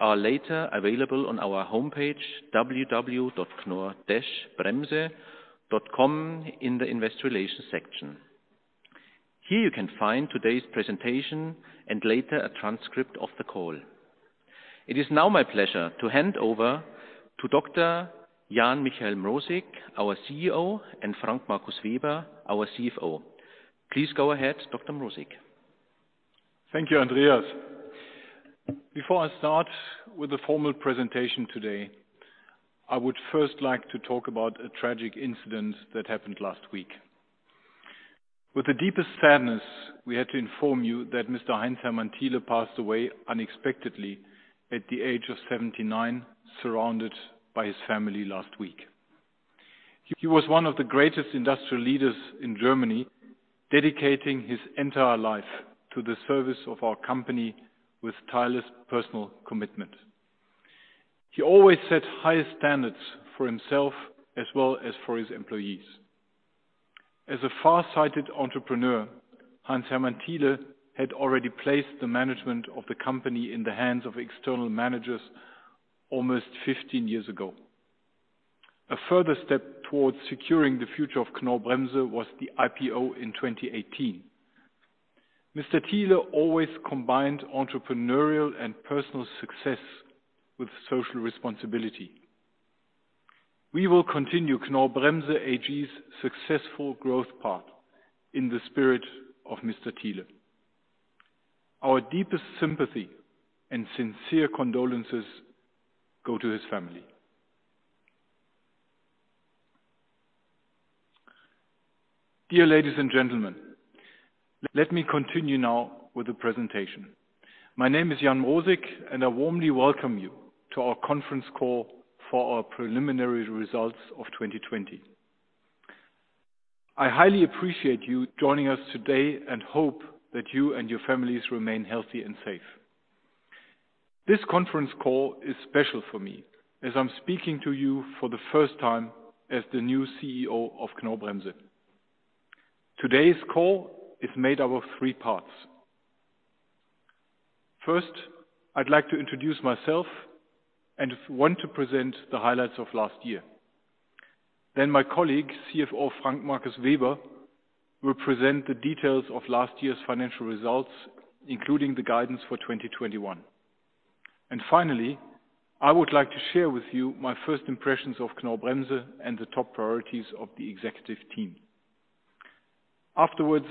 Are later available on our homepage, knorr-bremse.com in the investor relations section. Here you can find today's presentation and later a transcript of the call. It is now my pleasure to hand over to Dr. Jan Michael Mrosik, our CEO, and Frank Markus Weber, our CFO. Please go ahead, Dr. Mrosik. Thank you, Andreas. Before I start with the formal presentation today, I would first like to talk about a tragic incident that happened last week. With the deepest sadness, we had to inform you that Mr. Heinz Hermann Thiele passed away unexpectedly at the age of 79, surrounded by his family last week. He was one of the greatest industrial leaders in Germany, dedicating his entire life to the service of our company with tireless personal commitment. He always set high standards for himself as well as for his employees. As a far-sighted entrepreneur, Heinz Hermann Thiele had already placed the management of the company in the hands of external managers almost 15 years ago. A further step towards securing the future of Knorr-Bremse was the IPO in 2018. Mr. Thiele always combined entrepreneurial and personal success with social responsibility. We will continue Knorr-Bremse AG's successful growth path in the spirit of Mr. Thiele. Our deepest sympathy and sincere condolences go to his family. Dear ladies and gentlemen, let me continue now with the presentation. My name is Jan Mrosik. I warmly welcome you to our conference call for our preliminary results of 2020. I highly appreciate you joining us today and hope that you and your families remain healthy and safe. This conference call is special for me as I'm speaking to you for the first time as the new CEO of Knorr-Bremse. Today's call is made up of three parts. First, I'd like to introduce myself and want to present the highlights of last year. My colleague, CFO Frank Markus Weber, will present the details of last year's financial results, including the guidance for 2021. Finally, I would like to share with you my first impressions of Knorr-Bremse and the top priorities of the Executive Team. Afterwards,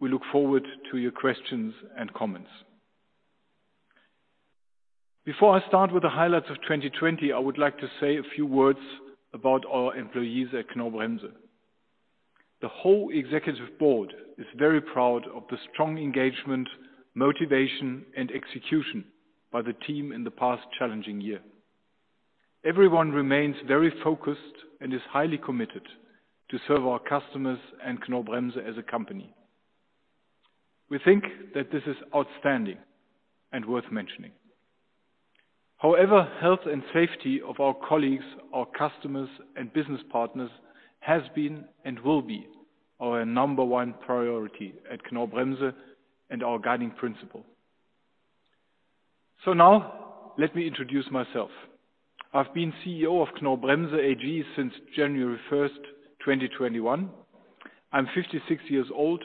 we look forward to your questions and comments. Before I start with the highlights of 2020, I would like to say a few words about our employees at Knorr-Bremse. The whole Executive Board is very proud of the strong engagement, motivation, and execution by the team in the past challenging year. Everyone remains very focused and is highly committed to serve our customers and Knorr-Bremse as a company. We think that this is outstanding and worth mentioning. However, health and safety of our colleagues, our customers, and business partners has been and will be our number one priority at Knorr-Bremse and our guiding principle. Now, let me introduce myself. I've been CEO of Knorr-Bremse AG since January 1st, 2021. I'm 56 years old,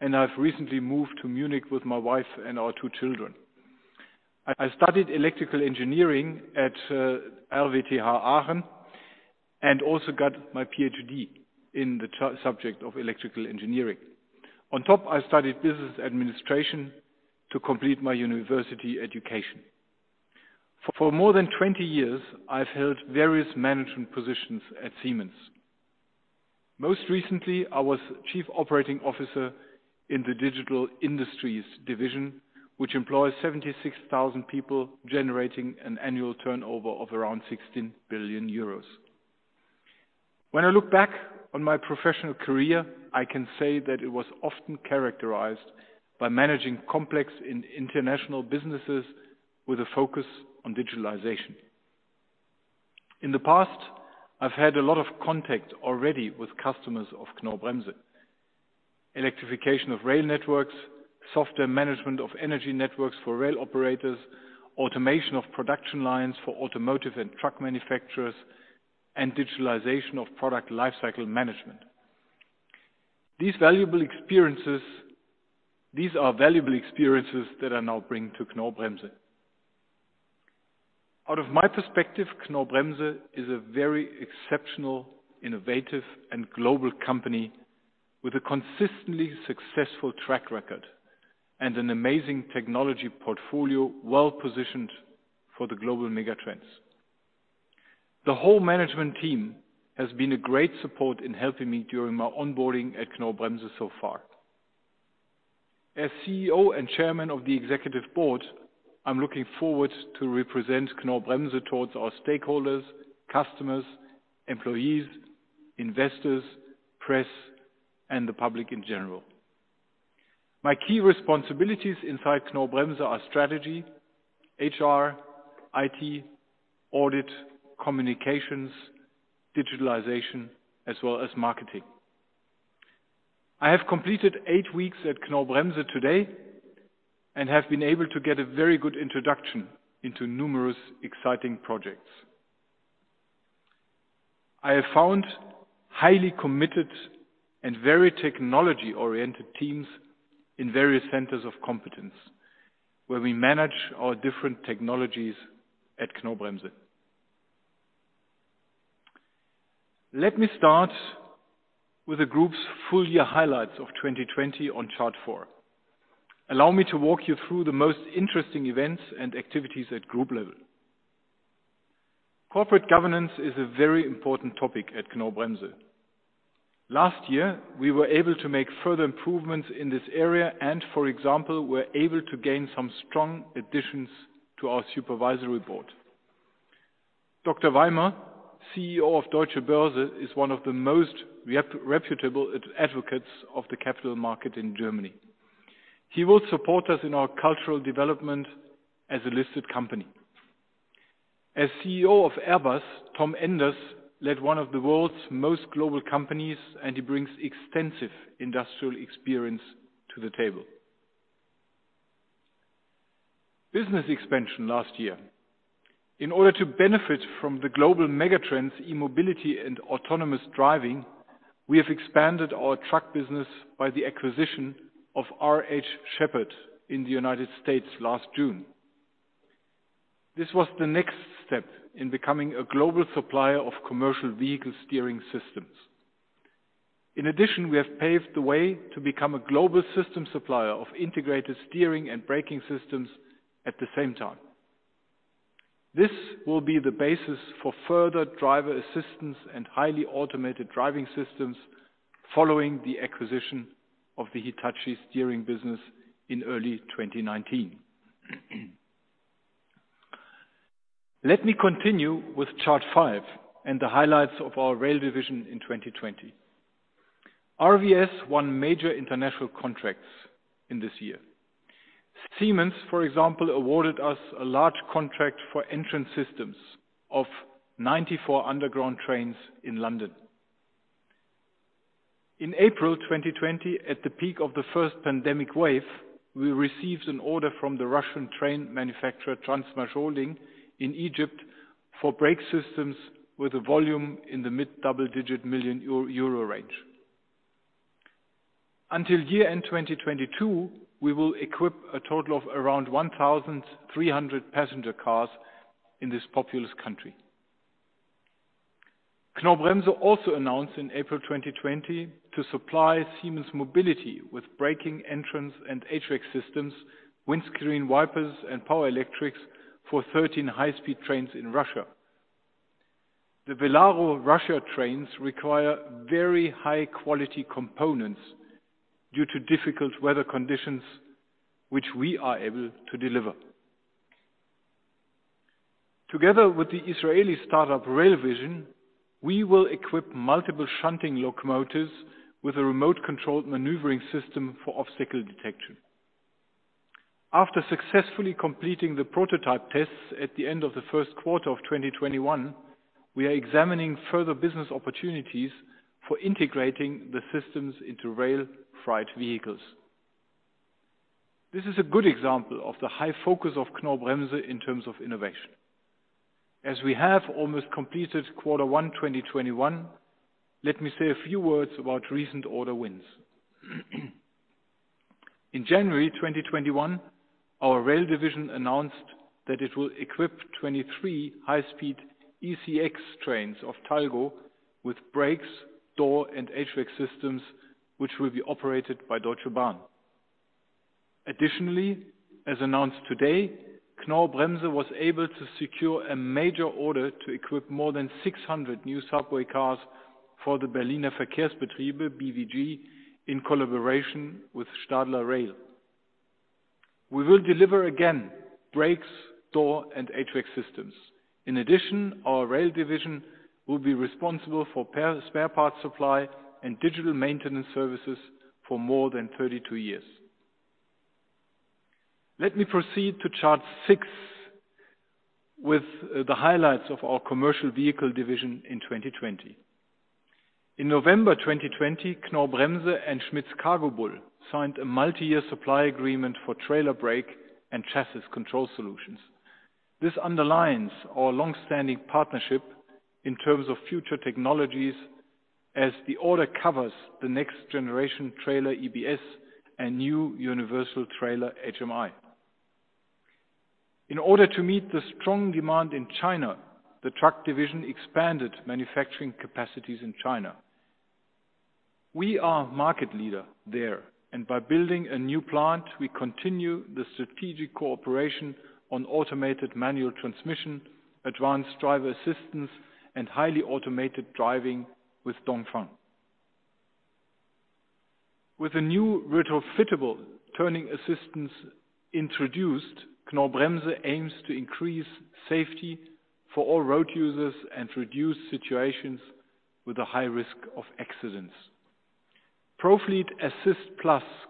and I've recently moved to Munich with my wife and our two children. I studied electrical engineering at RWTH Aachen, and also got my PhD in the subject of electrical engineering. On top, I studied business administration to complete my university education. For more than 20 years, I've held various management positions at Siemens. Most recently, I was Chief Operating Officer in the Digital Industries Division, which employs 76,000 people, generating an annual turnover of around 16 billion euros. When I look back on my professional career, I can say that it was often characterized by managing complex international businesses with a focus on digitalization. In the past, I've had a lot of contact already with customers of Knorr-Bremse. Electrification of rail networks, software management of energy networks for rail operators, automation of production lines for automotive and truck manufacturers, and digitalization of product lifecycle management. These are valuable experiences that I now bring to Knorr-Bremse. Out of my perspective, Knorr-Bremse is a very exceptional, innovative, and global company with a consistently successful track record and an amazing technology portfolio, well-positioned for the global mega trends. The whole management team has been a great support in helping me during my onboarding at Knorr-Bremse so far. As CEO and Chairman of the Executive Board, I'm looking forward to represent Knorr-Bremse towards our stakeholders, customers, employees, investors, press, and the public in general. My key responsibilities inside Knorr-Bremse are strategy, HR, IT, audit, communications, digitalization, as well as marketing. I have completed eight weeks at Knorr-Bremse today and have been able to get a very good introduction into numerous exciting projects. I have found highly committed and very technology-oriented teams in various centers of competence, where we manage our different technologies at Knorr-Bremse. Let me start with the group's full year highlights of 2020 on Chart four. Allow me to walk you through the most interesting events and activities at group level. Corporate governance is a very important topic at Knorr-Bremse. Last year, we were able to make further improvements in this area and, for example, were able to gain some strong additions to our supervisory board. Theodor Weimer, CEO of Deutsche Börse AG, is one of the most reputable advocates of the capital market in Germany. He will support us in our cultural development as a listed company. As CEO of Airbus SE, Thomas Enders led one of the world's most global companies, and he brings extensive industrial experience to the table. Business expansion last year. In order to benefit from the global megatrends, e-mobility and autonomous driving, we have expanded our truck business by the acquisition of R.H. Sheppard in the U.S. last June. This was the next step in becoming a global supplier of commercial vehicle steering systems. In addition, we have paved the way to become a global system supplier of integrated steering and braking systems at the same time. This will be the basis for further driver assistance and highly automated driving systems following the acquisition of the Hitachi Steering business in early 2019. Let me continue with Chart Five and the highlights of our rail division in 2020. RVS won major international contracts in this year. Siemens, for example, awarded us a large contract for entrance systems of 94 underground trains in London. In April 2020, at the peak of the first pandemic wave, we received an order from the Russian train manufacturer Transmashholding in Egypt for brake systems with a volume in the mid-double digit million euro range. Until year-end 2022, we will equip a total of around 1,300 passenger cars in this populous country. Knorr-Bremse also announced in April 2020 to supply Siemens Mobility with braking, entrance, and HVAC systems, windscreen wipers, and power electrics for 13 high-speed trains in Russia. The Velaro RUS trains require very high-quality components due to difficult weather conditions, which we are able to deliver. Together with the Israeli startup Rail Vision, we will equip multiple shunting locomotives with a remote controlled maneuvering system for obstacle detection. After successfully completing the prototype tests at the end of the first quarter of 2021, we are examining further business opportunities for integrating the systems into rail freight vehicles. This is a good example of the high focus of Knorr-Bremse in terms of innovation. As we have almost completed Quarter One 2021, let me say a few words about recent order wins. In January 2021, our rail division announced that it will equip 23 high-speed ECx trains of Talgo with brakes, door, and HVAC systems, which will be operated by Deutsche Bahn. As announced today, Knorr-Bremse was able to secure a major order to equip more than 600 new subway cars for the Berliner Verkehrsbetriebe, BVG, in collaboration with Stadler Rail. We will deliver again brakes, door, and HVAC systems. In addition, our rail division will be responsible for spare parts supply and digital maintenance services for more than 32 years. Let me proceed to Chart six with the highlights of our commercial vehicle division in 2020. In November 2020, Knorr-Bremse and Schmitz Cargobull signed a multi-year supply agreement for trailer brake and chassis control solutions. This underlines our longstanding partnership in terms of future technologies as the order covers the next generation trailer EBS and new universal trailer HMI. In order to meet the strong demand in China, the truck division expanded manufacturing capacities in China. We are market leader there. By building a new plant, we continue the strategic cooperation on automated manual transmission, advanced driver assistance, and highly automated driving with Dongfeng. With a new retrofittable turning assistance introduced, Knorr-Bremse aims to increase safety for all road users and reduce situations with a high risk of accidents. ProFleet Assist+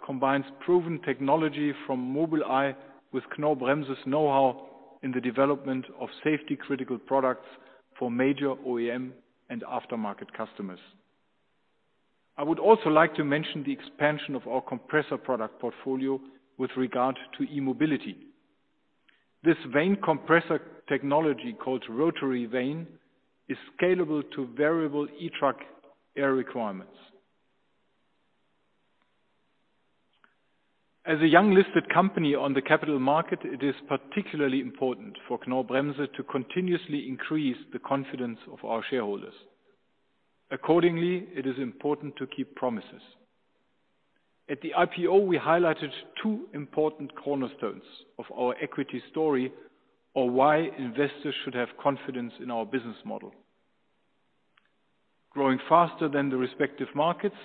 combines proven technology from Mobileye with Knorr-Bremse's knowhow in the development of safety critical products for major OEM and aftermarket customers. I would also like to mention the expansion of our compressor product portfolio with regard to e-mobility. This vane compressor technology, called Rotary Vane, is scalable to variable e-truck air requirements. As a young listed company on the capital market, it is particularly important for Knorr-Bremse to continuously increase the confidence of our shareholders. Accordingly, it is important to keep promises. At the IPO, we highlighted two important cornerstones of our equity story, or why investors should have confidence in our business model. Growing faster than the respective markets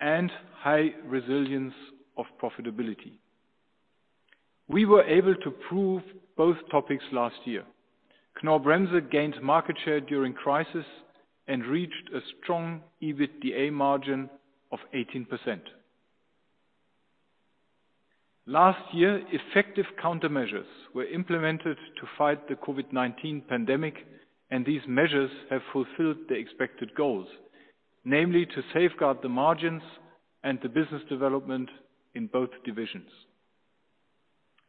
and high resilience of profitability. We were able to prove both topics last year. Knorr-Bremse gained market share during crisis and reached a strong EBITDA margin of 18%. Last year, effective countermeasures were implemented to fight the COVID-19 pandemic, and these measures have fulfilled the expected goals, namely to safeguard the margins and the business development in both divisions.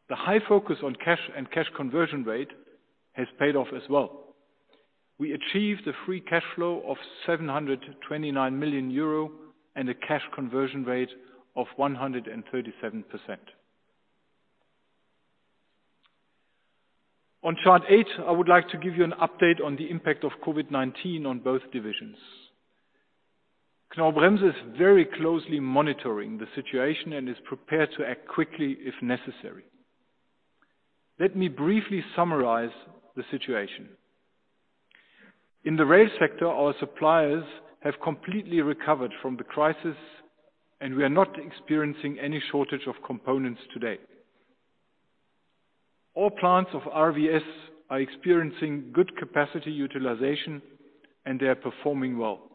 The high focus on cash and cash conversion rate has paid off as well. We achieved a free cash flow of 729 million euro and a cash conversion rate of 137%. On chart eight, I would like to give you an update on the impact of COVID-19 on both divisions. Knorr-Bremse is very closely monitoring the situation and is prepared to act quickly if necessary. Let me briefly summarize the situation. In the rail sector, our suppliers have completely recovered from the crisis, and we are not experiencing any shortage of components today. All plants of RVS are experiencing good capacity utilization, and they are performing well.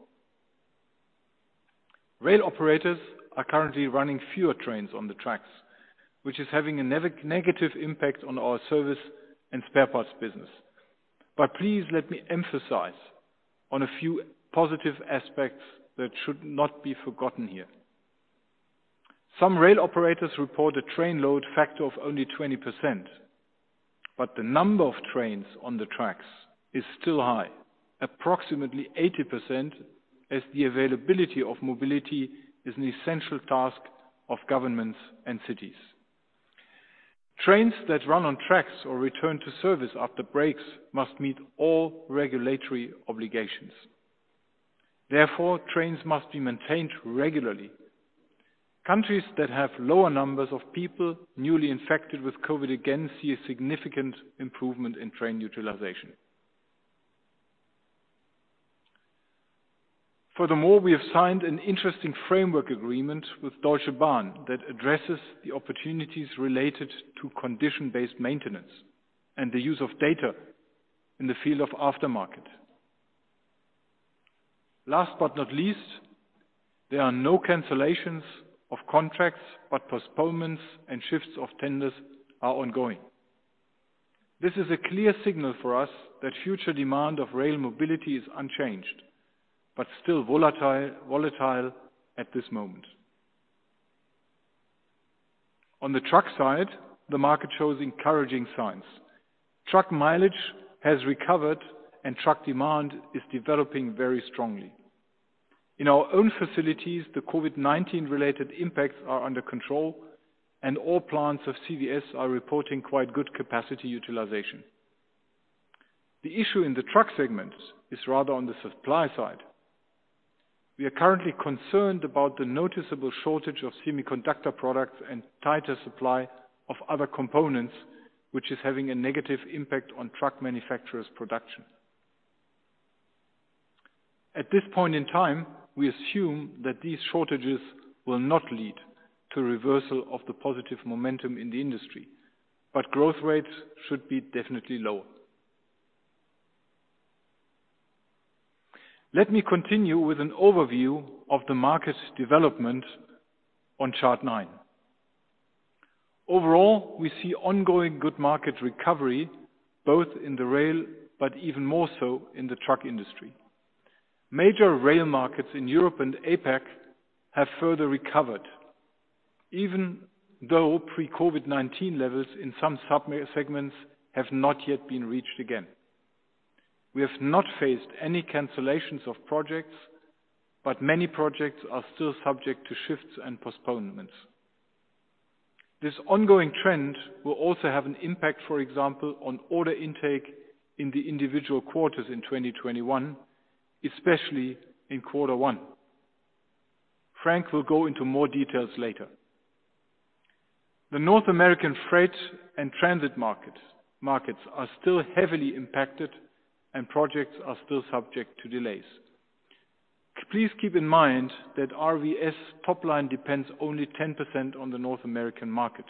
Rail operators are currently running fewer trains on the tracks, which is having a negative impact on our service and spare parts business. Please let me emphasize on a few positive aspects that should not be forgotten here. Some rail operators report a train load factor of only 20%, but the number of trains on the tracks is still high, approximately 80%, as the availability of mobility is an essential task of governments and cities. Trains that run on tracks or return to service after breaks must meet all regulatory obligations. Therefore, trains must be maintained regularly. Countries that have lower numbers of people newly infected with COVID again see a significant improvement in train utilization. Furthermore, we have signed an interesting framework agreement with Deutsche Bahn that addresses the opportunities related to condition-based maintenance and the use of data in the field of aftermarket. Last but not least, there are no cancellations of contracts, but postponements and shifts of tenders are ongoing. This is a clear signal for us that future demand of rail mobility is unchanged, but still volatile at this moment. On the truck side, the market shows encouraging signs. Truck mileage has recovered, and truck demand is developing very strongly. In our own facilities, the COVID-19 related impacts are under control, and all plants of CVS are reporting quite good capacity utilization. The issue in the truck segment is rather on the supply side. We are currently concerned about the noticeable shortage of semiconductor products and tighter supply of other components, which is having a negative impact on truck manufacturers' production. At this point in time, we assume that these shortages will not lead to a reversal of the positive momentum in the industry, but growth rates should be definitely lower. Let me continue with an overview of the market development on chart 9. Overall, we see ongoing good market recovery, both in the rail, but even more so in the truck industry. Major rail markets in Europe and APAC have further recovered, even though pre-COVID-19 levels in some subsegments have not yet been reached again. We have not faced any cancellations of projects, but many projects are still subject to shifts and postponements. This ongoing trend will also have an impact, for example, on order intake in the individual quarters in 2021, especially in quarter one. Frank will go into more details later. The North American freight and transit markets are still heavily impacted. Projects are still subject to delays. Please keep in mind that RVS top line depends only 10% on the North American market.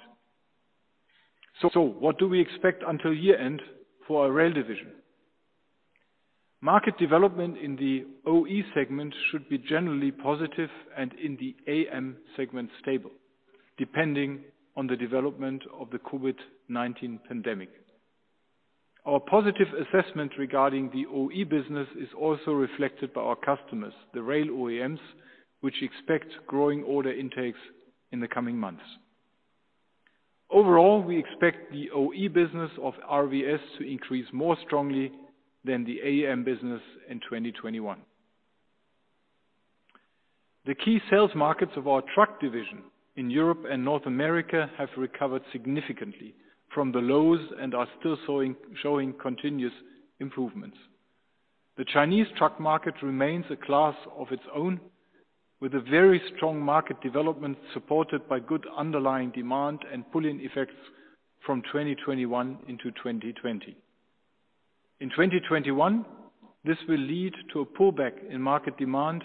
What do we expect until year-end for our rail division? Market development in the OE segment should be generally positive and in the AM segment, stable, depending on the development of the COVID-19 pandemic. Our positive assessment regarding the OE business is also reflected by our customers, the rail OEMs, which expect growing order intakes in the coming months. Overall, we expect the OE business of RVS to increase more strongly than the AM business in 2021. The key sales markets of our truck division in Europe and North America have recovered significantly from the lows and are still showing continuous improvements. The Chinese truck market remains a class of its own, with a very strong market development supported by good underlying demand and pull-in effects from 2021 into 2020. In 2021, this will lead to a pullback in market demand,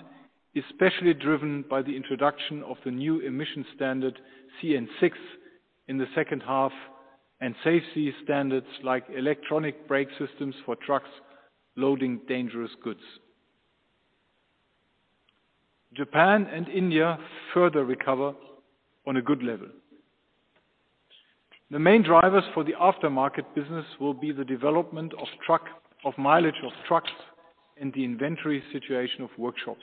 especially driven by the introduction of the new emission standard, CN6, in the second half, and safety standards like electronic brake systems for trucks loading dangerous goods. Japan and India further recover on a good level. The main drivers for the aftermarket business will be the development of mileage of trucks and the inventory situation of workshops.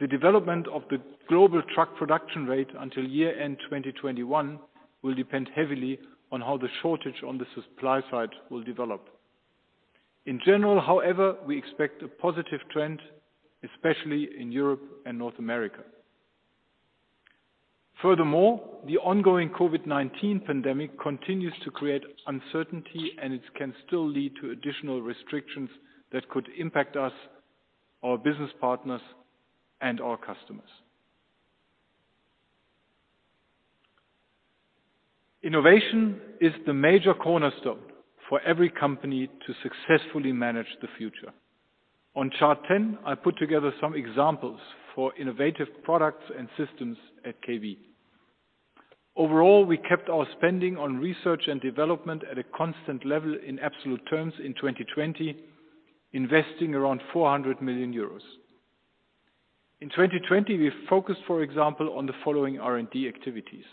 The development of the global truck production rate until year-end 2021 will depend heavily on how the shortage on the supply side will develop. In general, however, we expect a positive trend, especially in Europe and North America. Furthermore, the ongoing COVID-19 pandemic continues to create uncertainty, and it can still lead to additional restrictions that could impact us, our business partners, and our customers. Innovation is the major cornerstone for every company to successfully manage the future. On Chart 10, I put together some examples for innovative products and systems at KB. Overall, we kept our spending on research and development at a constant level in absolute terms in 2020, investing around 400 million euros. In 2020, we focused, for example, on the following R&D activities.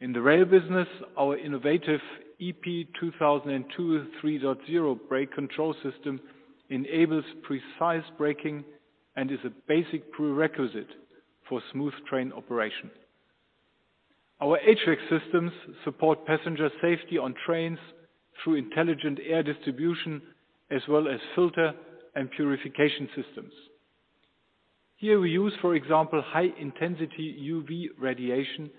In the rail business, our innovative EP2002 3.0 brake control system enables precise braking and is a basic prerequisite for smooth train operation. Our HVAC systems support passenger safety on trains through intelligent air distribution as well as filter and purification systems. Here we use, for example, high-intensity UV radiation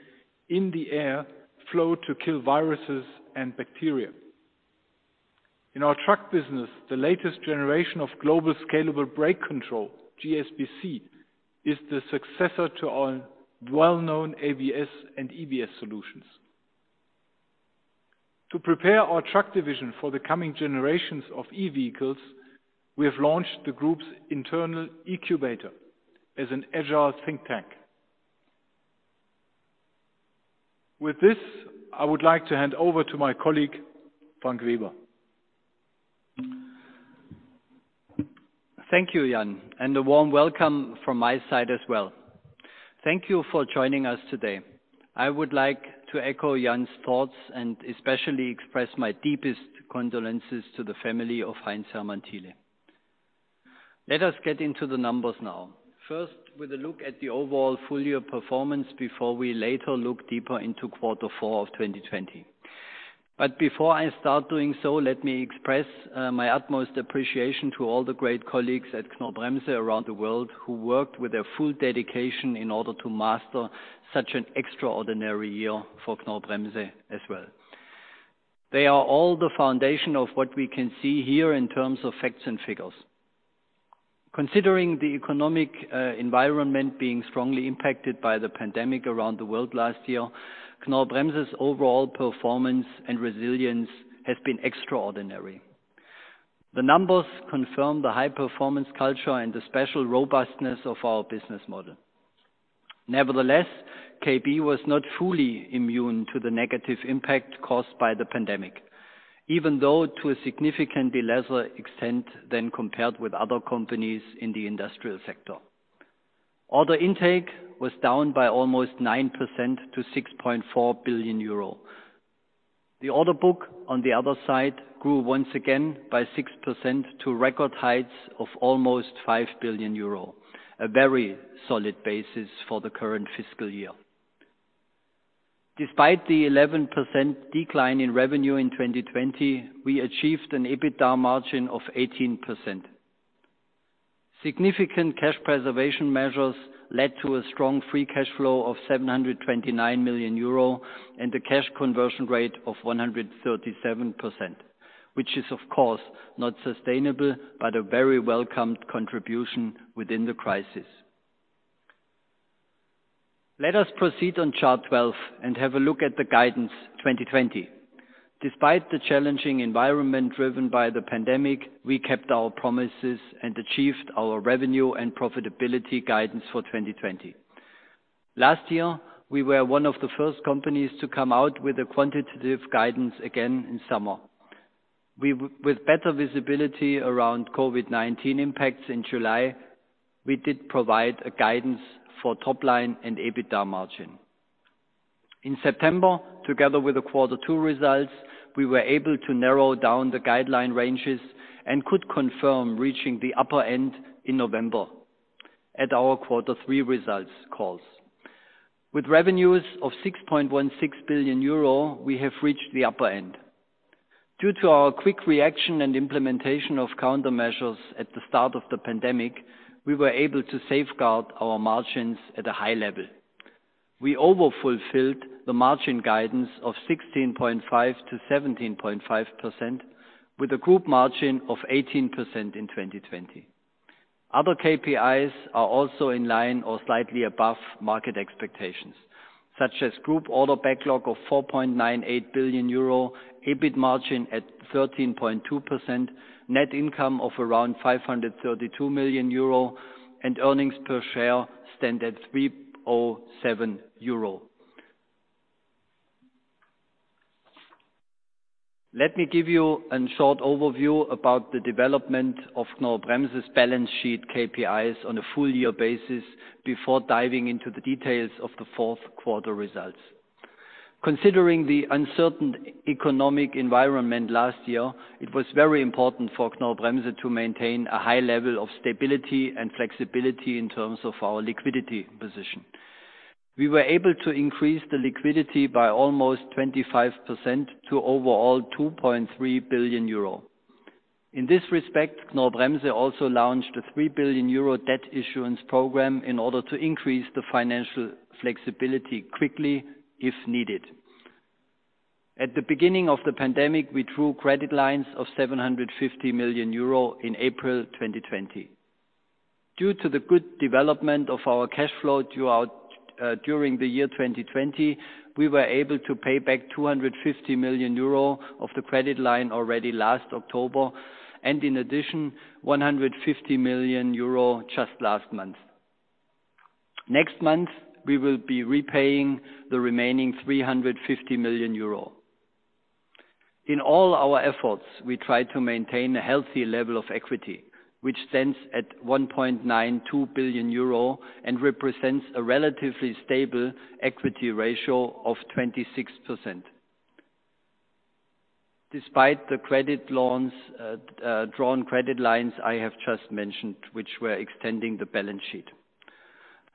in the air flow to kill viruses and bacteria. In our truck business, the latest generation of global scalable brake control, GSBC, is the successor to our well-known ABS and EBS solutions. To prepare our truck division for the coming generations of e-vehicles, we have launched the group's internal eCUBATOR as an agile think tank. With this, I would like to hand over to my colleague, Frank Weber. Thank you, Jan, and a warm welcome from my side as well. Thank you for joining us today. I would like to echo Jan's thoughts and especially express my deepest condolences to the family of Heinz Hermann Thiele. Let us get into the numbers now, first with a look at the overall full-year performance before we later look deeper into Quarter Four of 2020. Before I start doing so, let me express my utmost appreciation to all the great colleagues at Knorr-Bremse around the world who worked with their full dedication in order to master such an extraordinary year for Knorr-Bremse as well. They are all the foundation of what we can see here in terms of facts and figures. Considering the economic environment being strongly impacted by the pandemic around the world last year, Knorr-Bremse's overall performance and resilience has been extraordinary. The numbers confirm the high-performance culture and the special robustness of our business model. Nevertheless, Knorr-Bremse was not fully immune to the negative impact caused by the pandemic, even though to a significantly lesser extent than compared with other companies in the industrial sector. Order intake was down by almost 9% to 6.4 billion euro. The order book, on the other side, grew once again by 6% to record heights of almost 5 billion euro, a very solid basis for the current fiscal year. Despite the 11% decline in revenue in 2020, we achieved an EBITDA margin of 18%. Significant cash preservation measures led to a strong free cash flow of 729 million euro and a cash conversion rate of 137%, which is of course not sustainable, but a very welcomed contribution within the crisis. Let us proceed on Chart 12 and have a look at the guidance 2020. Despite the challenging environment driven by the pandemic, we kept our promises and achieved our revenue and profitability guidance for 2020. Last year, we were one of the first companies to come out with a quantitative guidance again in summer. With better visibility around COVID-19 impacts in July, we did provide a guidance for top line and EBITDA margin. In September, together with the quarter two results, we were able to narrow down the guideline ranges and could confirm reaching the upper end in November at our quarter three results calls. With revenues of 6.16 billion euro, we have reached the upper end. Due to our quick reaction and implementation of countermeasures at the start of the pandemic, we were able to safeguard our margins at a high level. We overfulfilled the margin guidance of 16.5%-17.5% with a group margin of 18% in 2020. Other KPIs are also in line or slightly above market expectations, such as group order backlog of 4.98 billion euro, EBIT margin at 13.2%, net income of around 532 million euro, and earnings per share stand at 3.07 euro. Let me give you an short overview about the development of Knorr-Bremse's balance sheet KPIs on a full year basis before diving into the details of the fourth quarter results. Considering the uncertain economic environment last year, it was very important for Knorr-Bremse to maintain a high level of stability and flexibility in terms of our liquidity position. We were able to increase the liquidity by almost 25% to overall 2.3 billion euro. In this respect, Knorr-Bremse also launched a 3 billion euro debt issuance program in order to increase the financial flexibility quickly if needed. At the beginning of the pandemic, we drew credit lines of 750 million euro in April 2020. Due to the good development of our cash flow during the year 2020, we were able to pay back 250 million euro of the credit line already last October, and in addition, 150 million euro just last month. Next month, we will be repaying the remaining 350 million euro. In all our efforts, we try to maintain a healthy level of equity, which stands at 1.92 billion euro and represents a relatively stable equity ratio of 26%. Despite the drawn credit lines I have just mentioned, which were extending the balance sheet.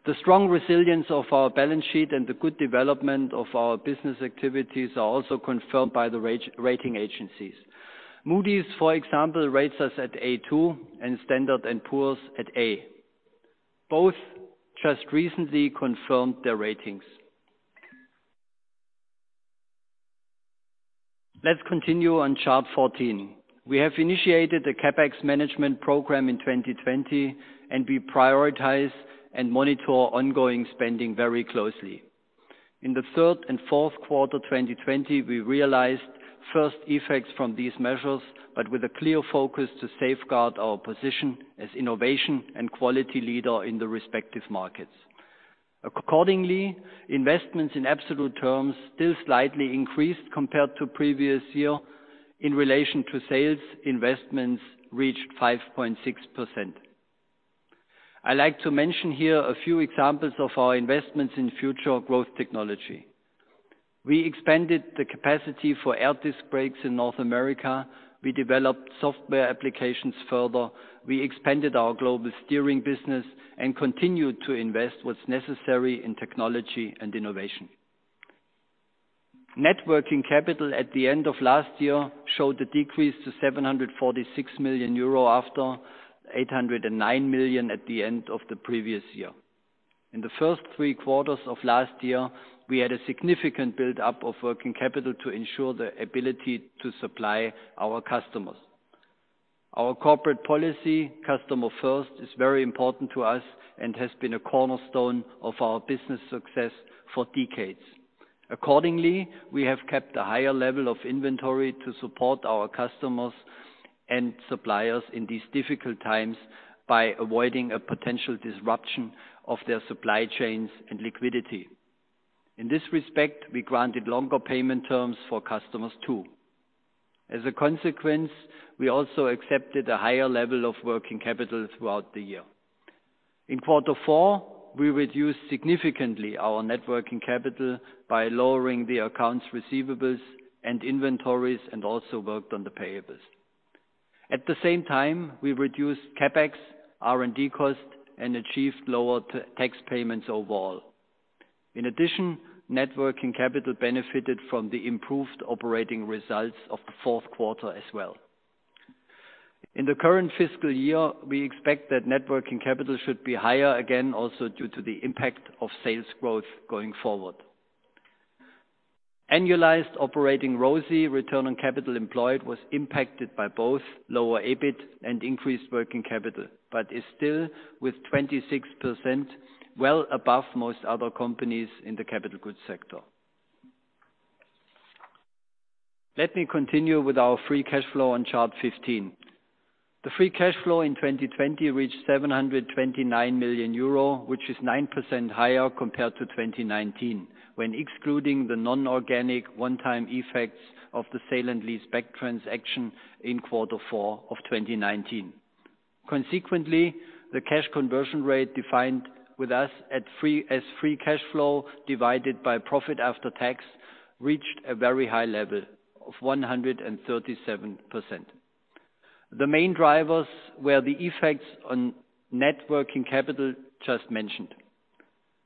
The strong resilience of our balance sheet and the good development of our business activities are also confirmed by the rating agencies. Moody's, for example, rates us at A2 and Standard & Poor's at A. Both just recently confirmed their ratings. Let's continue on chart 14. We have initiated a CapEx management program in 2020, and we prioritize and monitor ongoing spending very closely. In the third and fourth quarter 2020, we realized first effects from these measures, but with a clear focus to safeguard our position as innovation and quality leader in the respective markets. Accordingly, investments in absolute terms still slightly increased compared to previous year. In relation to sales, investments reached 5.6%. I like to mention here a few examples of our investments in future growth technology. We expanded the capacity for air disc brakes in North America. We developed software applications further. We expanded our global steering business and continued to invest what's necessary in technology and innovation. Net working capital at the end of last year showed a decrease to 746 million euro after 809 million at the end of the previous year. In the first three quarters of last year, we had a significant build-up of working capital to ensure the ability to supply our customers. Our corporate policy, customer first, is very important to us and has been a cornerstone of our business success for decades. Accordingly, we have kept a higher level of inventory to support our customers and suppliers in these difficult times by avoiding a potential disruption of their supply chains and liquidity. In this respect, we granted longer payment terms for customers, too. As a consequence, we also accepted a higher level of working capital throughout the year. In quarter four, we reduced significantly our net working capital by lowering the accounts receivables and inventories, and also worked on the payables. At the same time, we reduced CapEx, R&D costs, and achieved lower tax payments overall. In addition, net working capital benefited from the improved operating results of the fourth quarter as well. In the current fiscal year, we expect that net working capital should be higher again, also due to the impact of sales growth going forward. Annualized operating ROCE, return on capital employed, was impacted by both lower EBIT and increased working capital, but is still, with 26%, well above most other companies in the capital goods sector. Let me continue with our free cash flow on chart 15. The free cash flow in 2020 reached 729 million euro, which is 9% higher compared to 2019, when excluding the non-organic one-time effects of the sale and leaseback transaction in quarter four of 2019. Consequently, the cash conversion rate defined with us as free cash flow divided by profit after tax reached a very high level of 137%. The main drivers were the effects on net working capital just mentioned.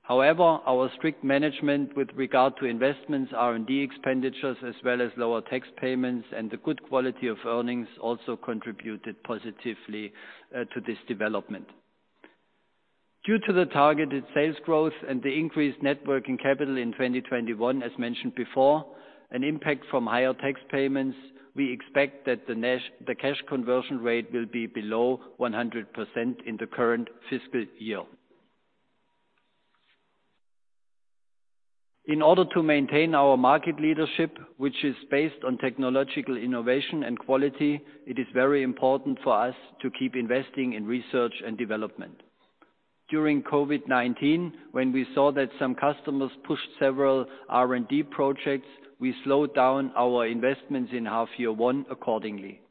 However, our strict management with regard to investments, R&D expenditures, as well as lower tax payments and the good quality of earnings also contributed positively to this development. Due to the targeted sales growth and the increased net working capital in 2021, as mentioned before, an impact from higher tax payments, we expect that the cash conversion rate will be below 100% in the current fiscal year. In order to maintain our market leadership, which is based on technological innovation and quality, it is very important for us to keep investing in research and development. During COVID-19, when we saw that some customers pushed several R&D projects, we slowed down our investments in half year one accordingly.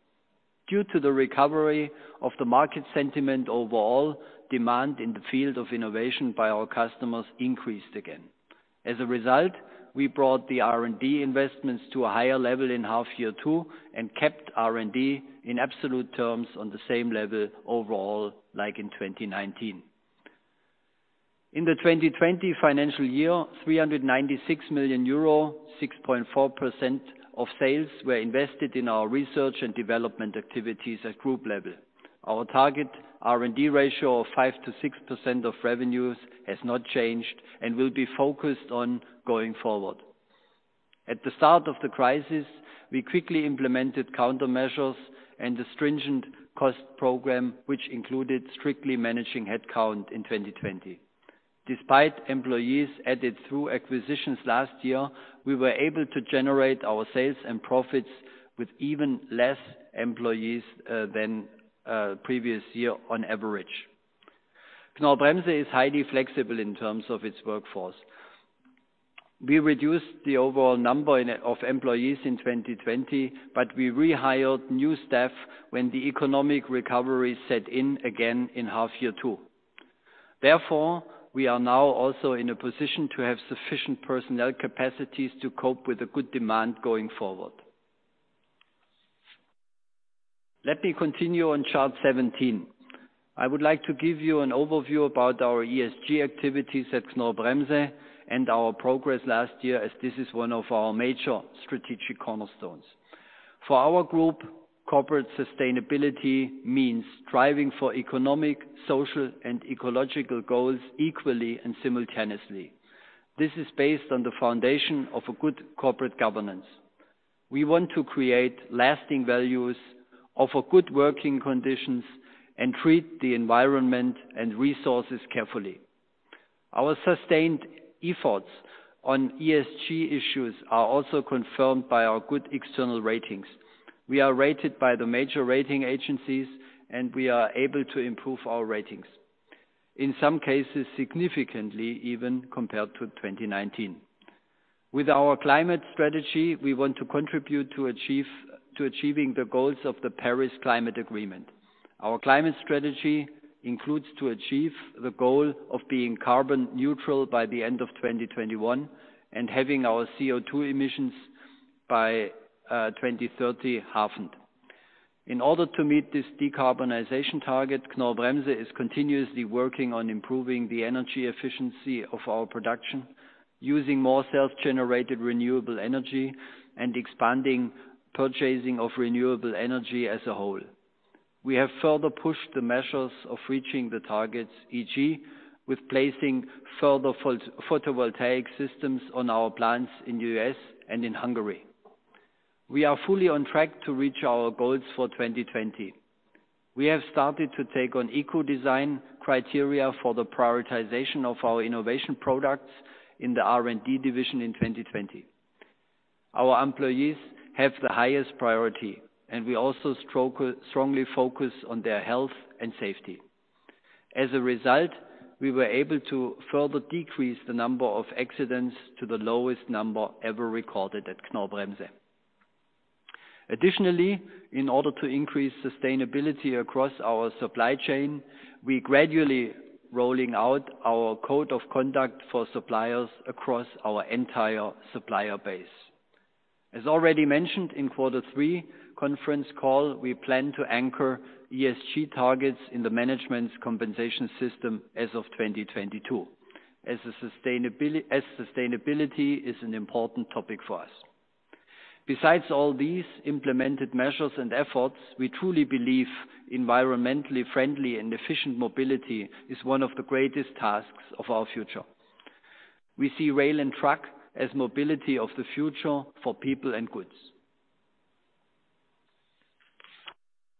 Due to the recovery of the market sentiment overall, demand in the field of innovation by our customers increased again. As a result, we brought the R&D investments to a higher level in half year two and kept R&D in absolute terms on the same level overall like in 2019. In the 2020 financial year, 396 million euro, 6.4% of sales were invested in our research and development activities at group level. Our target R&D ratio of 5%-6% of revenues has not changed and will be focused on going forward. At the start of the crisis, we quickly implemented countermeasures and a stringent cost program, which included strictly managing headcount in 2020. Despite employees added through acquisitions last year, we were able to generate our sales and profits with even less employees than previous year on average. Knorr-Bremse is highly flexible in terms of its workforce. We reduced the overall number of employees in 2020, but we rehired new staff when the economic recovery set in again in half year two. Therefore, we are now also in a position to have sufficient personnel capacities to cope with the good demand going forward. Let me continue on chart 17. I would like to give you an overview about our ESG activities at Knorr-Bremse and our progress last year as this is one of our major strategic cornerstones. For our group, corporate sustainability means striving for economic, social, and ecological goals equally and simultaneously. This is based on the foundation of a good corporate governance. We want to create lasting values, offer good working conditions, and treat the environment and resources carefully. Our sustained efforts on ESG issues are also confirmed by our good external ratings. We are rated by the major rating agencies, and we are able to improve our ratings, in some cases, significantly even compared to 2019. With our climate strategy, we want to contribute to achieving the goals of the Paris Climate Agreement. Our climate strategy includes to achieve the goal of being carbon neutral by the end of 2021 and halving our CO2 emissions by 2030. In order to meet this decarbonization target, Knorr-Bremse is continuously working on improving the energy efficiency of our production, using more self-generated renewable energy, and expanding purchasing of renewable energy as a whole. We have further pushed the measures of reaching the targets, e.g., with placing further photovoltaic systems on our plants in the U.S. and in Hungary. We are fully on track to reach our goals for 2020. We have started to take on eco design criteria for the prioritization of our innovation products in the R&D division in 2020. Our employees have the highest priority, and we also strongly focus on their health and safety. As a result, we were able to further decrease the number of accidents to the lowest number ever recorded at Knorr-Bremse. Additionally, in order to increase sustainability across our supply chain, we gradually rolling out our code of conduct for suppliers across our entire supplier base. As already mentioned in quarter three conference call, we plan to anchor ESG targets in the management's compensation system as of 2022, as sustainability is an important topic for us. Besides all these implemented measures and efforts, we truly believe environmentally friendly and efficient mobility is one of the greatest tasks of our future. We see rail and truck as mobility of the future for people and goods.